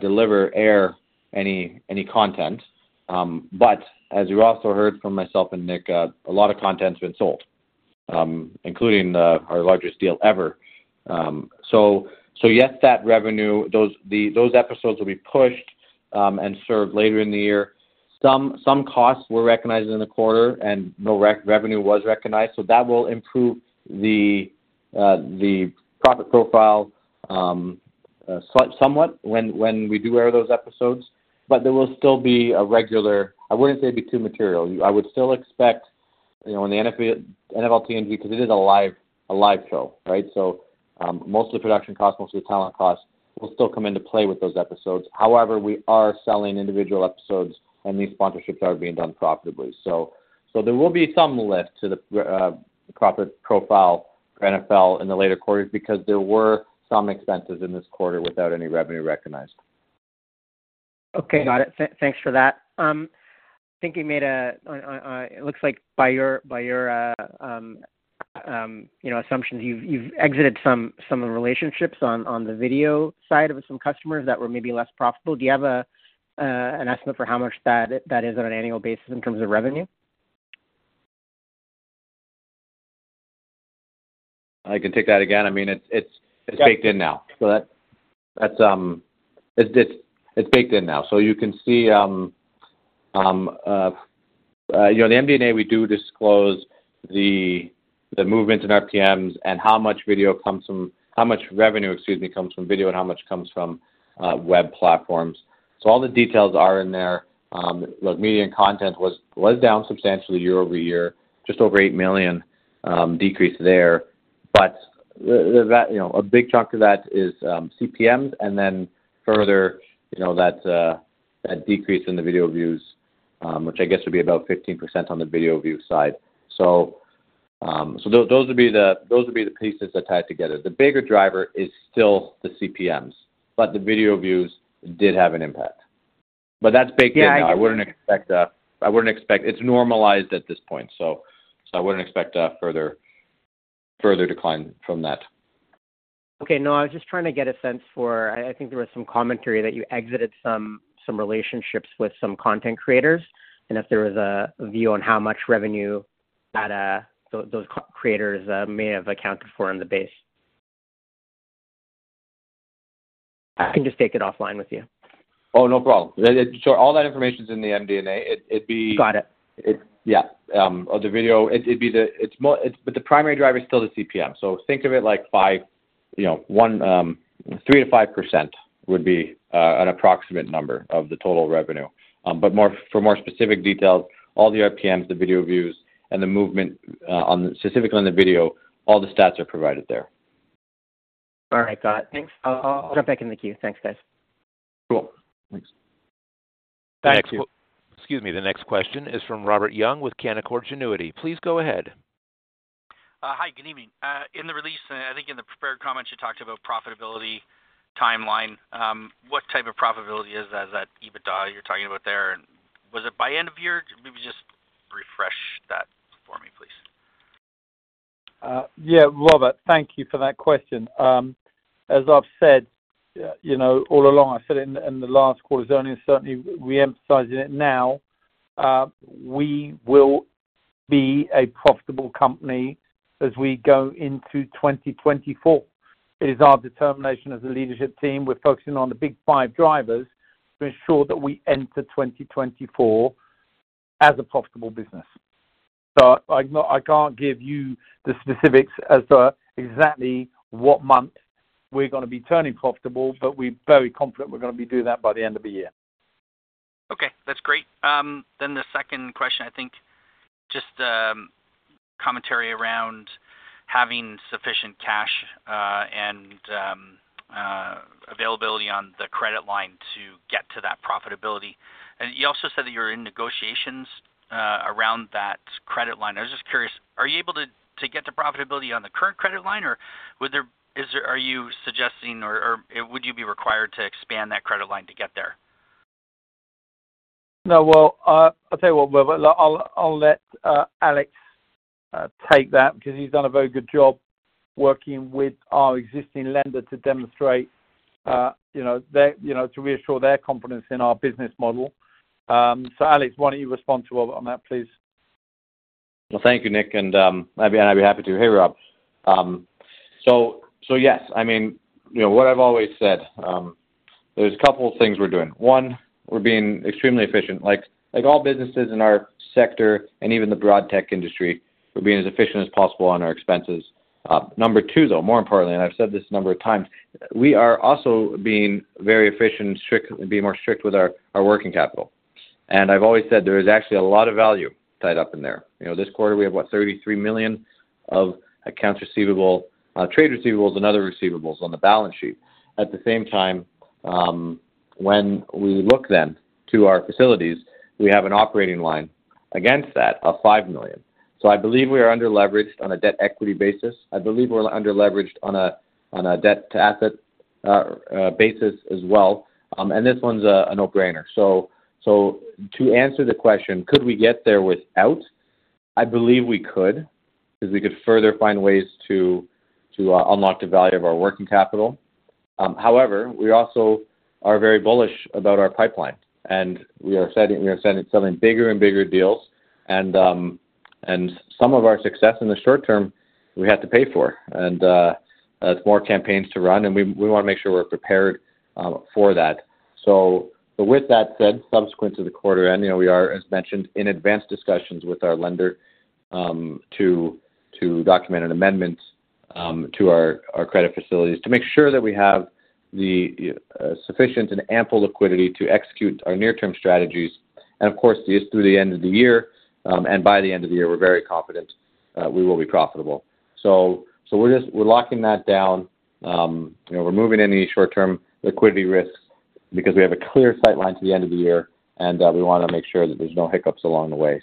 S4: deliver or air any, any content. As you also heard from myself and Nick, a lot of content's been sold, including the, our largest deal ever. Yes, that revenue, those, the, those episodes will be pushed and served later in the year. Some costs were recognized in the quarter and no revenue was recognized, so that will improve the profit profile somewhat when we do air those episodes, but there will still be a regular. I wouldn't say it'd be too material. I would still expect you know, in the NFL TMV, because it is a live show, right? Most of the production costs, most of the talent costs will still come into play with those episodes. However, we are selling individual episodes, and these sponsorships are being done profitably. There will be some lift to the profit profile for NFL in the later quarters because there were some expenses in this quarter without any revenue recognized.
S6: Okay, got it. Thanks for that. I think you made It looks like by your, by your, you know, assumptions, you've, you've exited some, some relationships on, on the video side of it, some customers that were maybe less profitable. Do you have an estimate for how much that, that is on an annual basis in terms of revenue?
S4: I can take that again. I mean, it's, it's, it's baked in now. So that, that's... It's, it's baked in now. So you can see, you know, the MD&A, we do disclose the, the movements in RPMs and how much video comes from- how much revenue, excuse me, comes from video and how much comes from web platforms. All the details are in there. Look, Media and Content was, was down substantially year over year, just over 8 million decrease there. The, the, that, you know, a big chunk of that is CPMs, and then further, you know, that decrease in the video views, which I guess would be about 15% on the video view side. Those, those would be the, those would be the pieces that tied together. The bigger driver is still the CPMs, but the video views did have an impact. That's baked in.
S6: Yeah.
S4: It's normalized at this point, so, so I wouldn't expect a further, further decline from that.
S6: Okay. No, I was just trying to get a sense for. I think there was some commentary that you exited some relationships with some content creators, and if there was a view on how much revenue that those creators may have accounted for in the base. I can just take it offline with you.
S4: Oh, no problem. All that information is in the MD&A.
S6: Got it.
S4: It Yeah, or the video. It'd be the it's more it's, the primary driver is still the CPM. Think of it like 5, you know, 1, 3%-5% would be an approximate number of the total revenue. More, for more specific details, all the RPMs, the video views, and the movement, on specifically on the video, all the stats are provided there.
S6: All right, got it. Thanks. I'll jump back in the queue. Thanks, guys.
S4: Cool. Thanks.
S1: Thanks. Excuse me. The next question is from Robert Young with Canaccord Genuity. Please go ahead.
S7: Hi, good evening. In the release, I think in the prepared comments, you talked about profitability timeline. What type of profitability is that, that EBITDA you're talking about there? Was it by end of year? Maybe just refresh that for me, please.
S3: Yeah, Robert, thank you for that question. As I've said, you know, all along, I said it in, in the last quarter, certainly reemphasizing it now, we will be a profitable company as we go into 2024. It is our determination as a leadership team, we're focusing on the big five drivers to ensure that we enter 2024 as a profitable business. I, I can't give you the specifics as to exactly what month we're gonna be turning profitable, but we're very confident we're gonna be doing that by the end of the year.
S7: Okay, that's great. The second question, I think, just commentary around having sufficient cash, and availability on the credit line to get to that profitability. You also said that you're in negotiations around that credit line. I was just curious, are you able to, to get to profitability on the current credit line, or are you suggesting or, or would you be required to expand that credit line to get there?
S3: No, well, I'll tell you what, Robert, I'll, I'll let Alex take that because he's done a very good job working with our existing lender to demonstrate, you know, their, you know, to reassure their confidence in our business model. Alex, why don't you respond to Robert on that, please?
S4: Well, thank you, Nick, and I'd be, I'd be happy to. Hey, Rob. Yes, I mean, you know what I've always said, there's a couple of things we're doing. One, we're being extremely efficient. Like, like all businesses in our sector and even the broad tech industry, we're being as efficient as possible on our expenses. Number two, though, more importantly, and I've said this a number of times, we are also being very efficient and strict, being more strict with our, our working capital. I've always said there is actually a lot of value tied up in there. You know, this quarter, we have, what? $33 million of accounts receivable, trade receivables and other receivables on the balance sheet. At the same time, when we look then to our facilities, we have an operating line against that of $5 million. I believe we are under-leveraged on a debt equity basis. I believe we're under-leveraged on a debt to asset basis as well. And this one's a no-brainer. To answer the question, could we get there without? I believe we could, 'cause we could further find ways to unlock the value of our working capital. However, we also are very bullish about our pipeline, and we are setting, we are setting bigger and bigger deals. And some of our success in the short term, we had to pay for, and there's more campaigns to run, and we, we wanna make sure we're prepared for that. But with that said, subsequent to the quarter end, you know, we are, as mentioned, in advanced discussions with our lender, to document an amendment. to our, our credit facilities to make sure that we have the sufficient and ample liquidity to execute our near-term strategies, and of course, this through the end of the year. By the end of the year, we're very confident, we will be profitable. We're locking that down. You know, we're moving any short-term liquidity risks because we have a clear sight line to the end of the year, and we wanna make sure that there's no hiccups along the way.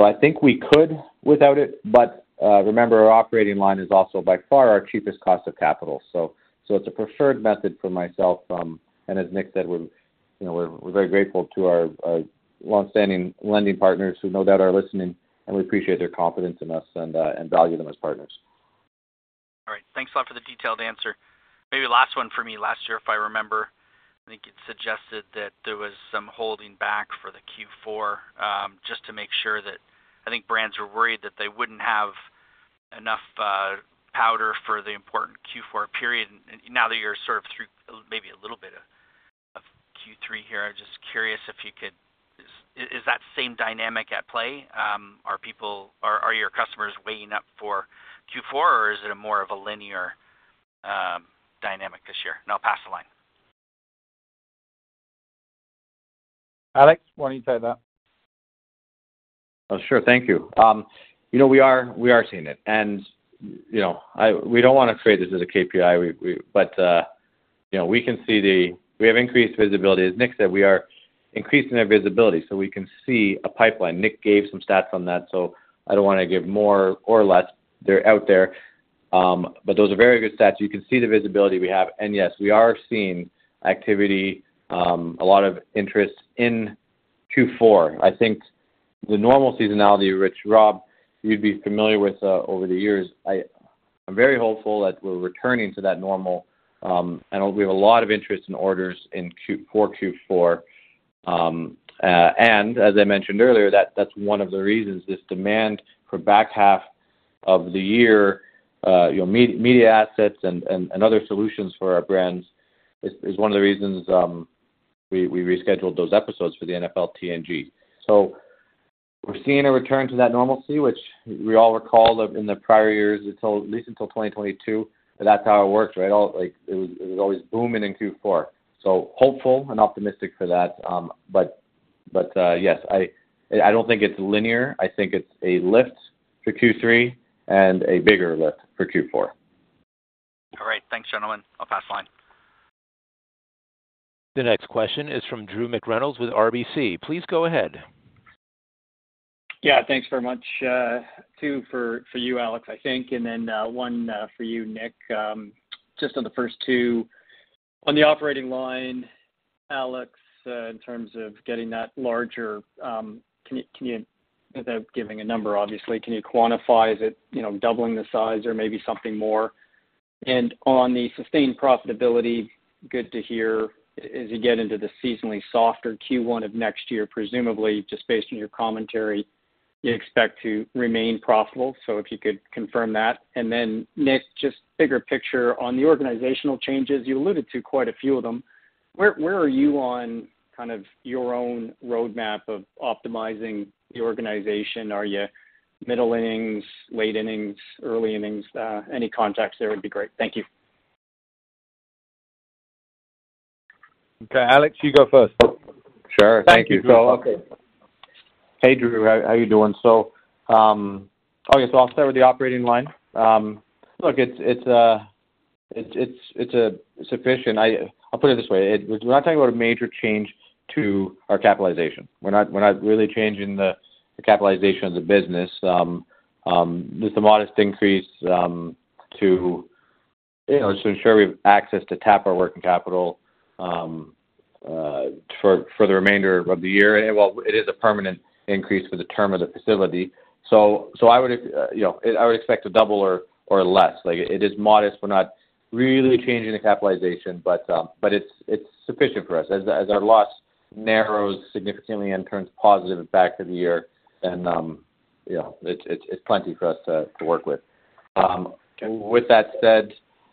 S4: I think we could without it, but remember, our operating line is also by far our cheapest cost of capital. It's a preferred method for myself, and as Nick said, we're, you know, we're very grateful to our, our long-standing lending partners who no doubt are listening, and we appreciate their confidence in us and value them as partners.
S7: All right. Thanks a lot for the detailed answer. Maybe the last one for me. Last year, if I remember, I think it suggested that there was some holding back for the Q4, just to make sure that... I think brands were worried that they wouldn't have enough powder for the important Q4 period. Now that you're sort of through maybe a little bit of Q3 here, I'm just curious, is that same dynamic at play? Are your customers weighing up for Q4, or is it more of a linear dynamic this year? I'll pass the line.
S3: Alex, why don't you take that?
S4: Oh, sure. Thank you. You know, we are, we are seeing it. You know, we don't wanna create this as a KPI. We, but, you know, we can see we have increased visibility. As Nick said, we are increasing our visibility, so we can see a pipeline. Nick gave some stats on that, so I don't wanna give more or less. They're out there. But those are very good stats. You can see the visibility we have. Yes, we are seeing activity, a lot of interest in Q4. I think the normal seasonality, which, Rob, you'd be familiar with, over the years, I'm very hopeful that we're returning to that normal. We have a lot of interest in orders for Q4. As I mentioned earlier, that's one of the reasons, this demand for back half of the year, you know, media, media assets and, and, and other solutions for our brands is, is one of the reasons, we rescheduled those episodes for the NFL TNG. We're seeing a return to that normalcy, which we all recall in the prior years, until at least until 2022, that's how it worked, right? It was, it was always booming in Q4. Hopeful and optimistic for that. Yes, I, I don't think it's linear. I think it's a lift for Q3 and a bigger lift for Q4.
S7: All right. Thanks, gentlemen. I'll pass the line.
S1: The next question is from Drew McReynolds with RBC. Please go ahead.
S8: Yeah, thanks very much. Two for, for you, Alex, I think, then one for you, Nick. Just on the first two, on the operating line, Alex, in terms of getting that larger, can you, can you without giving a number, obviously, can you quantify, is it, you know, doubling the size or maybe something more? On the sustained profitability, good to hear. As you get into the seasonally softer Q1 of next year, presumably, just based on your commentary, you expect to remain profitable. If you could confirm that. Then, Nick, just bigger picture on the organizational changes, you alluded to quite a few of them. Where, where are you on kind of your own roadmap of optimizing the organization? Are you middle innings, late innings, early innings? Any context there would be great. Thank you.
S3: Okay, Alex, you go first.
S4: Sure. Thank you.
S3: Okay.
S4: Hey, Drew, how are you doing? Okay, I'll start with the operating line. Look, it's a sufficient-- I, I'll put it this way: We're not talking about a major change to our capitalization. We're not really changing the capitalization of the business. Just a modest increase, to, you know, to ensure we have access to tap our working capital for the remainder of the year. Well, it is a permanent increase for the term of the facility. I would, you know, I would expect to double or less. Like, it is modest. We're not really changing the capitalization, but it's sufficient for us. as our loss narrows significantly and turns positive back of the year, you know, it's, it's plenty for us to, to work with. With that said,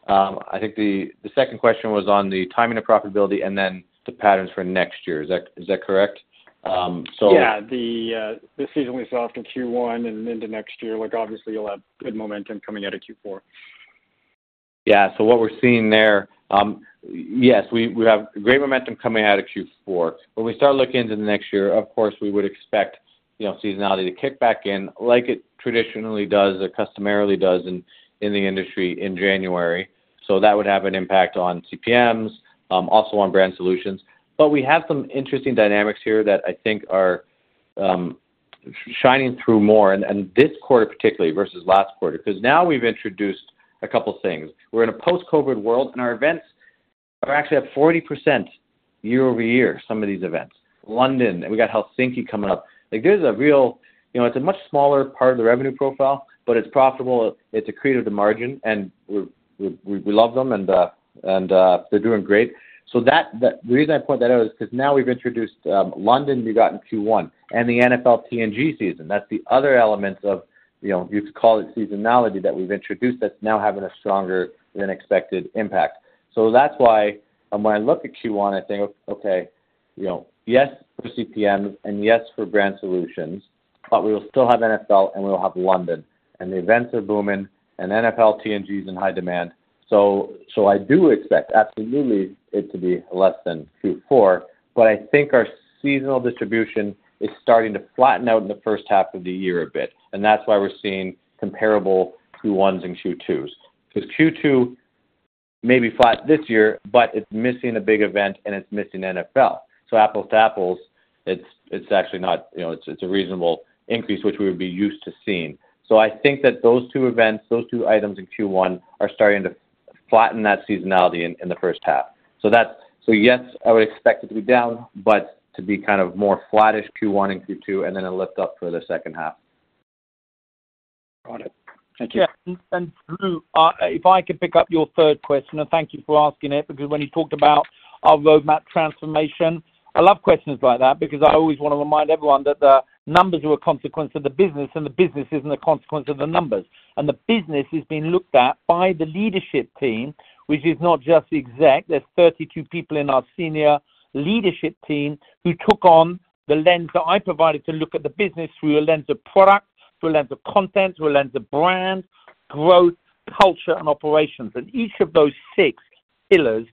S4: I think the, the second question was on the timing of profitability and the patterns for next year. Is that, is that correct?
S8: Yeah, the, the season we saw after Q1 and into next year, like, obviously you'll have good momentum coming out of Q4.
S4: What we're seeing there, yes, we, we have great momentum coming out of Q4. When we start looking into the next year, of course, we would expect, you know, seasonality to kick back in like it traditionally does or customarily does in, in the industry in January. That would have an impact on CPMs, also on brand solutions. We have some interesting dynamics here that I think are shining through more, and, and this quarter, particularly versus last quarter, because now we've introduced a couple things. We're in a post-COVID world, and our events are actually at 40% year-over-year, some of these events. London, and we got Helsinki coming up. Like, there's a real. You know, it's a much smaller part of the revenue profile, but it's profitable, it's accretive to margin, and we, we love them, and, and, they're doing great. That, the reason I point that out is because now we've introduced London we got in Q1 and the NFL TNG season. That's the other element of, you know, you could call it seasonality, that we've introduced that's now having a stronger than expected impact. That's why when I look at Q1, I think, "Okay, You know, yes, for CPMs and yes for Brand Solutions, but we will still have NFL and we will have London, and the events are booming and NFL TNG is in high demand. I do expect absolutely it to be less than Q4, but I think our seasonal distribution is starting to flatten out in the first half of the year a bit, and that's why we're seeing comparable Q1s and Q2s. Q2 may be flat this year, but it's missing a big event and it's missing NFL. Apples to apples, it's, it's actually not, you know, it's, it's a reasonable increase, which we would be used to seeing. I think that those two events, those two items in Q1, are starting to flatten that seasonality in, in the first half. Yes, I would expect it to be down, but to be kind of more flattish Q1 and Q2, and then it lift up for the second half.
S8: Got it. Thank you.
S3: Yeah, and Drew, if I could pick up your third question, and thank you for asking it, because when you talked about our roadmap transformation, I love questions like that because I always want to remind everyone that the numbers are a consequence of the business, and the business isn't a consequence of the numbers. The business is being looked at by the leadership team, which is not just exec. There's 32 people in our senior leadership team who took on the lens that I provided to look at the business through a lens of product, through a lens of content, through a lens of brand, growth, culture, and operations. Each of those 6 pillars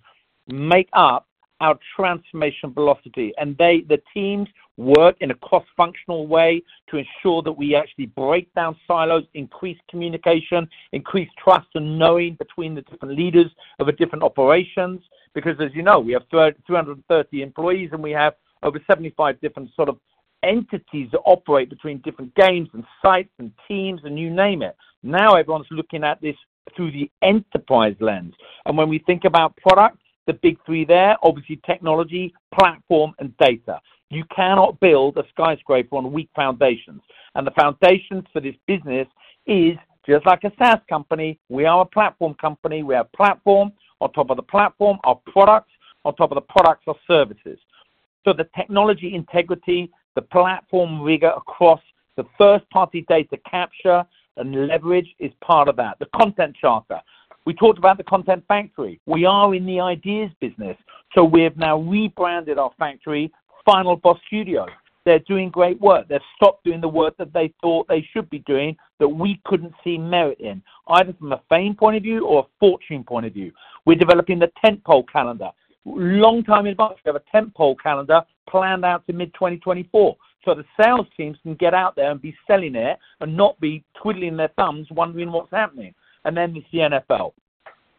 S3: make up our transformation velocity, and the teams work in a cross-functional way to ensure that we actually break down silos, increase communication, increase trust and knowing between the different leaders of the different operations. Because as you know, we have 230 employees, and we have over 75 different sort of entities that operate between different games and sites and teams, and you name it. Now, everyone's looking at this through the enterprise lens. When we think about products, the big three there, obviously, technology, platform, and data. You cannot build a skyscraper on weak foundations, and the foundations for this business is just like a SaaS company. We are a platform company. We are a platform. On top of the platform, are products. On top of the products, are services. The technology integrity, the platform rigor across the first-party data capture and leverage is part of that. The content charter. We talked about the content factory. We are in the ideas business, so we have now rebranded our factory, Final Boss Studios. They're doing great work. They've stopped doing the work that they thought they should be doing, that we couldn't see merit in, either from a fame point of view or a fortune point of view. We're developing the tentpole calendar. Long time in advance, we have a tentpole calendar planned out to mid-2024, so the sales teams can get out there and be selling it and not be twiddling their thumbs, wondering what's happening. Then it's the NFL.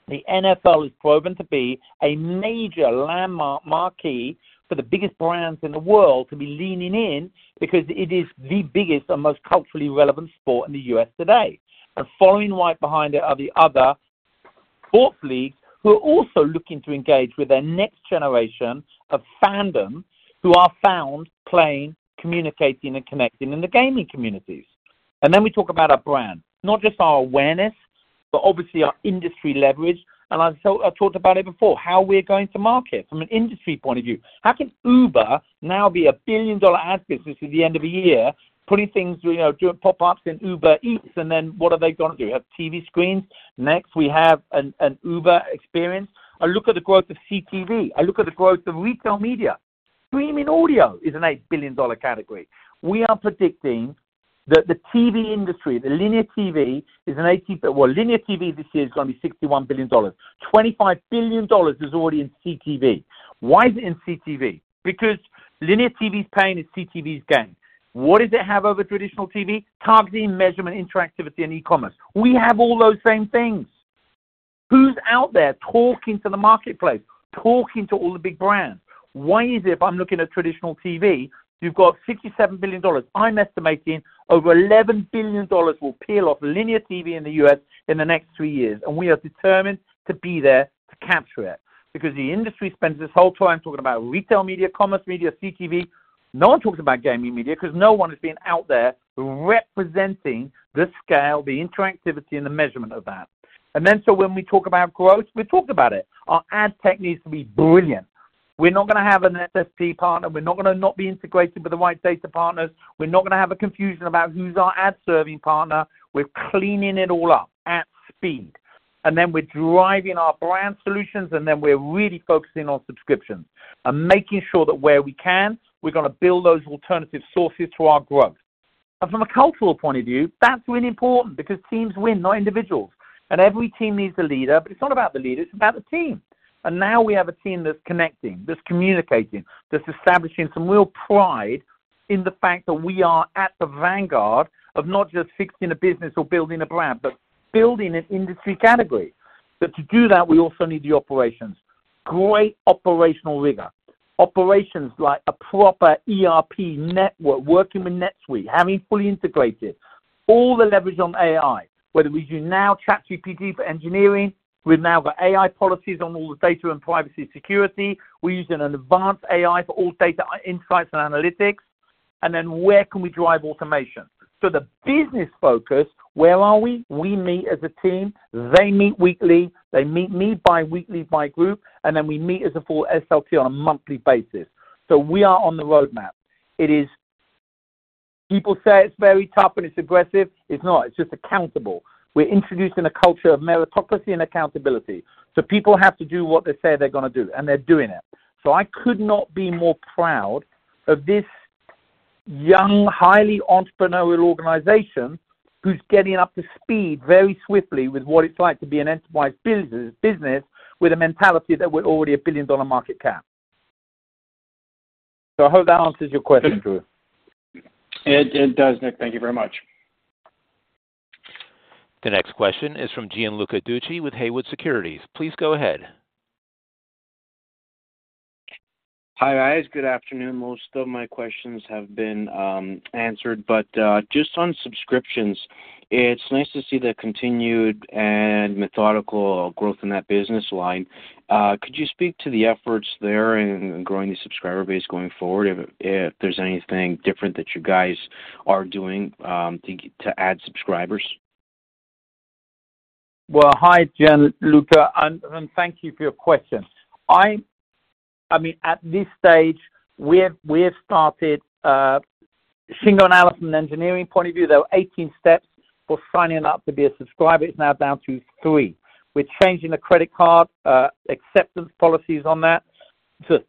S3: The NFL is proven to be a major landmark marquee for the biggest brands in the world to be leaning in because it is the biggest and most culturally relevant sport in the U.S. today. Following right behind it are the other sports leagues, who are also looking to engage with their next generation of fandom, who are found playing, communicating, and connecting in the gaming communities. We talk about our brand, not just our awareness, but obviously our industry leverage. I've talked about it before, how we're going to market from an industry point of view. How can Uber now be a billion-dollar ad business at the end of the year, putting things, you know, doing pop-ups in Uber Eats, and then what are they going to do? Have TV screens. Next, we have an Uber experience. I look at the growth of CTV. I look at the growth of retail media. Streaming audio is a $8 billion category. We are predicting that the TV industry, the linear TV, well, linear TV this year is going to be $61 billion. $25 billion is already in CTV. Why is it in CTV? Linear TV's pain is CTV's gain. What does it have over traditional TV? Targeting, measurement, interactivity, and e-commerce. We have all those same things. Who's out there talking to the marketplace, talking to all the big brands? Why is it if I'm looking at traditional TV, you've got $67 billion? I'm estimating over $11 billion will peel off linear TV in the US in the next 3 years. We are determined to be there to capture it because the industry spends its whole time talking about retail media, commerce media, CTV. No one talks about gaming media because no one has been out there representing the scale, the interactivity, and the measurement of that. When we talk about growth, we've talked about it. Our ad tech needs to be brilliant. We're not gonna have an SSP partner. We're not gonna not be integrated with the right data partners. We're not gonna have a confusion about who's our ad serving partner. We're cleaning it all up at speed, and then we're driving our Brand Solutions, and then we're really focusing on subscriptions and making sure that where we can, we're gonna build those alternative sources through our growth. From a cultural point of view, that's really important because teams win, not individuals, and every team needs a leader, but it's not about the leader, it's about the team. Now we have a team that's connecting, that's communicating, that's establishing some real pride in the fact that we are at the vanguard of not just fixing a business or building a brand, but building an industry category. To do that, we also need the operations. Great operational rigor. Operations like a proper ERP network, working with NetSuite, having it fully integrated, all the leverage on AI, whether we do now ChatGPT for engineering. We've now got AI policies on all the data and privacy security. We're using an advanced AI for all data insights and analytics. Then where can we drive automation? The business focus, where are we? We meet as a team. They meet weekly. They meet me bi-weekly by group, and then we meet as a full SLT on a monthly basis. We are on the roadmap. It is-... People say it's very tough and it's aggressive. It's not. It's just accountable. We're introducing a culture of meritocracy and accountability, so people have to do what they say they're gonna do, and they're doing it. I could not be more proud of this young, highly entrepreneurial organization who's getting up to speed very swiftly with what it's like to be an enterprise business, business with a mentality that we're already a billion-dollar market cap. I hope that answers your question, Drew.
S9: It, it does, Nick. Thank you very much.
S1: The next question is from Gianluca Tucci with Haywood Securities. Please go ahead.
S10: Hi, guys. Good afternoon. Most of my questions have been answered, but just on subscriptions, it's nice to see the continued and methodical growth in that business line. Could you speak to the efforts there in growing the subscriber base going forward, if, if there's anything different that you guys are doing, to add subscribers?
S3: Well, hi, Gianluca, and, and thank you for your question. I mean, at this stage, we have, we have started, single analysis and engineering point of view, there were 18 steps for signing up to be a subscriber. It's now down to 3. We're changing the credit card, acceptance policies on that, so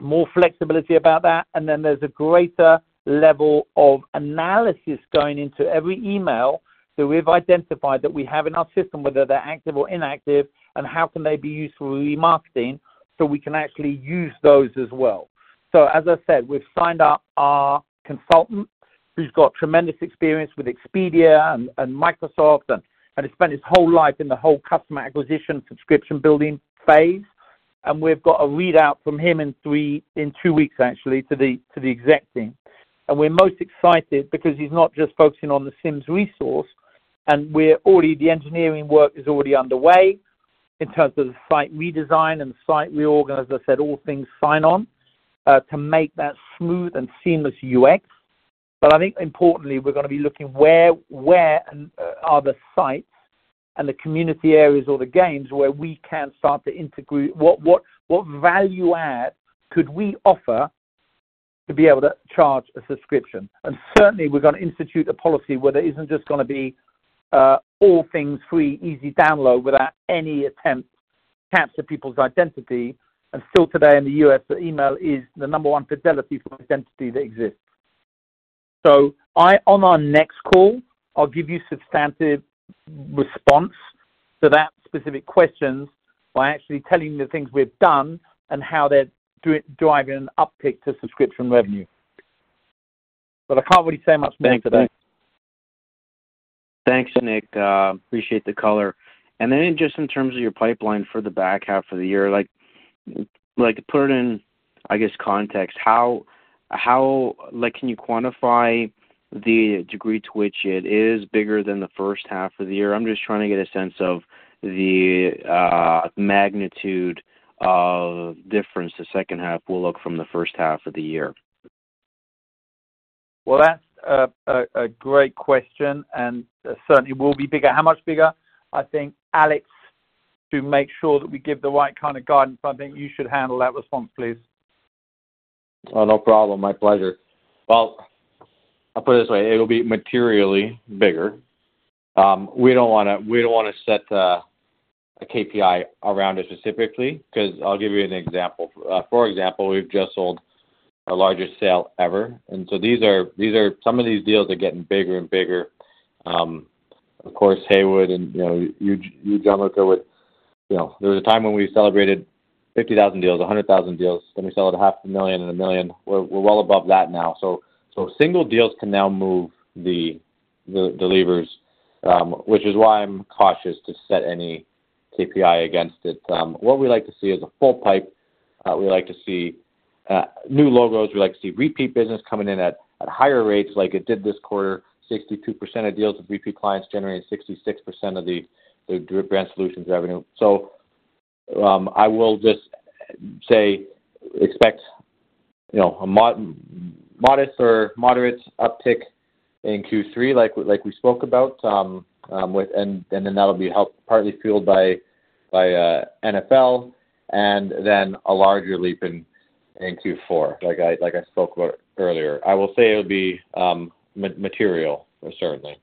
S3: more flexibility about that, and then there's a greater level of analysis going into every email that we've identified that we have in our system, whether they're active or inactive, and how can they be used for remarketing, so we can actually use those as well. As I said, we've signed up our consultant, who's got tremendous experience with Expedia and, and Microsoft, and, and he spent his whole life in the whole customer acquisition, subscription building phase. We've got a readout from him in two weeks, actually, to the exec team. We're most excited because he's not just focusing on The Sims Resource, and we're already the engineering work is already underway in terms of the site redesign and site reorg, as I said, all things sign on, to make that smooth and seamless UX. I think importantly, we're gonna be looking where, where are the sites and the community areas or the games where we can start to integrate what, what, what value add could we offer to be able to charge a subscription? Certainly, we're gonna institute a policy where there isn't just gonna be all things free, easy download without any attempt to capture people's identity. Still today, in the U.S., the email is the number 1 fidelity for identity that exists. On our next call, I'll give you substantive response to that specific questions by actually telling the things we've done and how they're driving an uptick to subscription revenue. I can't really say much more today.
S10: Thanks, Nick. Appreciate the color. Just in terms of your pipeline for the back half of the year, like, like, put it in, I guess, context, how can you quantify the degree to which it is bigger than the first half of the year? I'm just trying to get a sense of the magnitude of difference the second half will look from the first half of the year.
S3: Well, that's a great question. Certainly will be bigger. How much bigger? I think, Alex, to make sure that we give the right kind of guidance, I think you should handle that response, please.
S4: Oh, no problem. My pleasure. Well, I'll put it this way: it'll be materially bigger. We don't wanna, we don't wanna set a KPI around it specifically, 'cause I'll give you an example. For example, we've just sold our largest sale ever, and so these are, these are some of these deals are getting bigger and bigger. Of course, Haywood and, you know, you, you, Gianluca, with... You know, there was a time when we celebrated $50,000 deals, $100,000 deals, then we sold $0.5 million and $1 million. We're, we're well above that now. Single deals can now move the levers, which is why I'm cautious to set any KPI against it. What we like to see is a full pipe. We like to see new logos. We like to see repeat business coming in at, at higher rates like it did this quarter. 62% of deals with repeat clients generating 66% of the, the Brand Solutions revenue. I will just say, expect, you know, a modest or moderate uptick in Q3, like, like we spoke about, and, and then that'll be helped, partly fueled by, by, NFL, and then a larger leap in, in Q4 like I, like I spoke about earlier. I will just say it would be material, certainly.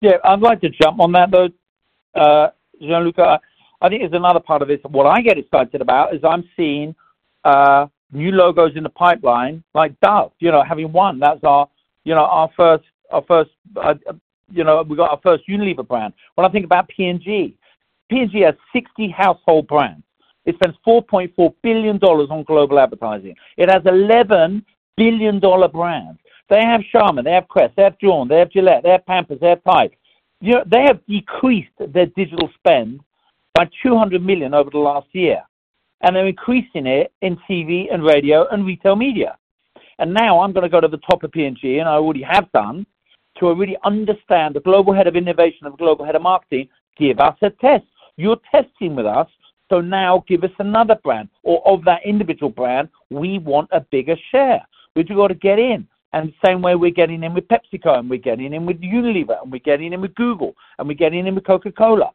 S3: Yeah. I'd like to jump on that, though, Gianluca. I think there's another part of this, what I get excited about is I'm seeing, new logos in the pipeline, like Dove, you know, having one. That's our, you know, our first, our first, you know, we got our first Unilever brand. When I think about P&G, P&G has 60 household brands. It spends $4.4 billion on global advertising. It has 11 billion-dollar brands. They have Charmin, they have Crest, they have Dawn, they have Gillette, they have Pampers, they have Tide. You know, they have decreased their digital spend by $200 million over the last year, and they're increasing it in TV and radio and retail media. Now I'm gonna go to the top of P&G, and I already have done, to really understand the global head of innovation and global head of marketing, give us a test. You're testing with us, so now give us another brand or of that individual brand, we want a bigger share, which we ought to get in. The same way we're getting in with PepsiCo, and we're getting in with Unilever, and we're getting in with Google, and we're getting in with Coca-Cola.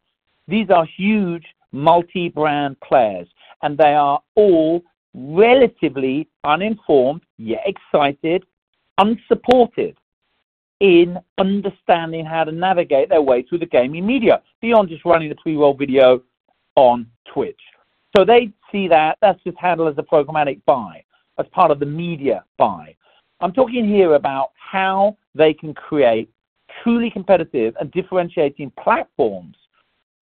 S3: These are huge multi-brand players, and they are all relatively uninformed, yet excited, unsupported in understanding how to navigate their way through the gaming media, beyond just running the pre-roll video on Twitch. They see that, that's just handled as a programmatic buy, as part of the media buy. I'm talking here about how they can create truly competitive and differentiating platforms.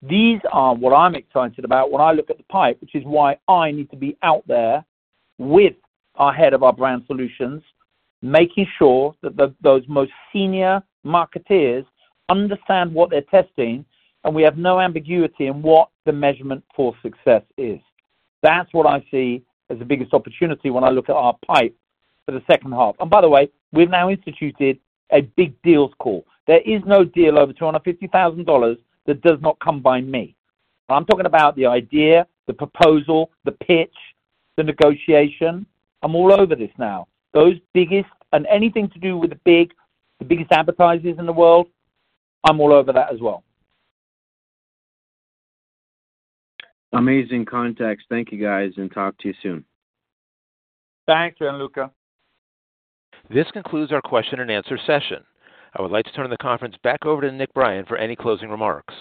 S3: These are what I'm excited about when I look at the pipe, which is why I need to be out there with our head of our Brand Solutions, making sure that those most senior marketeers understand what they're testing, and we have no ambiguity in what the measurement for success is. That's what I see as the biggest opportunity when I look at our pipe for the second half. By the way, we've now instituted a big deals call. There is no deal over $250,000 that does not come by me. I'm talking about the idea, the proposal, the pitch, the negotiation. I'm all over this now. Those biggest, and anything to do with the biggest advertisers in the world, I'm all over that as well.
S10: Amazing context. Thank you, guys, and talk to you soon.
S3: Thanks, Gianluca.
S1: This concludes our question and answer session. I would like to turn the conference back over to Nick Brien for any closing remarks.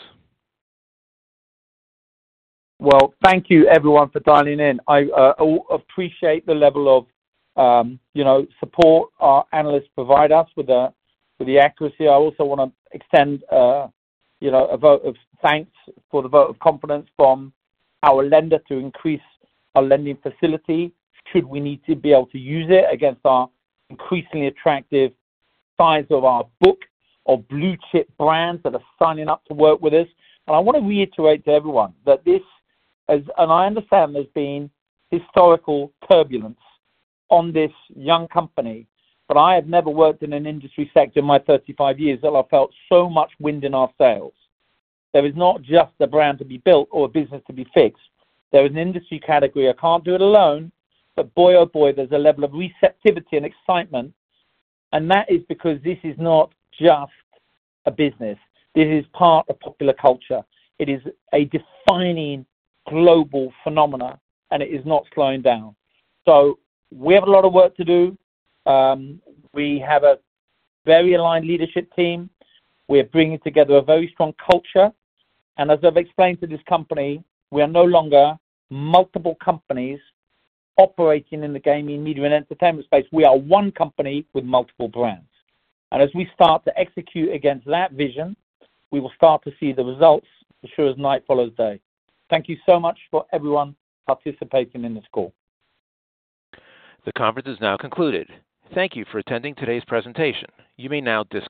S3: Well, thank you, everyone, for dialing in. I appreciate the level of, you know, support our analysts provide us with the, with the accuracy. I also want to extend, you know, a vote of thanks for the vote of confidence from our lender to increase our lending facility, should we need to be able to use it against our increasingly attractive size of our book of blue-chip brands that are signing up to work with us. I want to reiterate to everyone that this is, and I understand there's been historical turbulence on this young company, but I have never worked in an industry sector in my 35 years that I felt so much wind in our sails. There is not just a brand to be built or a business to be fixed. There is an industry category. I can't do it alone, boy, oh, boy, there's a level of receptivity and excitement, and that is because this is not just a business. This is part of popular culture. It is a defining global phenomena, and it is not slowing down. We have a lot of work to do. We have a very aligned leadership team. We're bringing together a very strong culture, and as I've explained to this company, we are no longer multiple companies operating in the gaming, media, and entertainment space. We are one company with multiple brands. As we start to execute against that vision, we will start to see the results as sure as night follows day. Thank you so much for everyone participating in this call.
S1: The conference is now concluded. Thank you for attending today's presentation. You may now disconnect.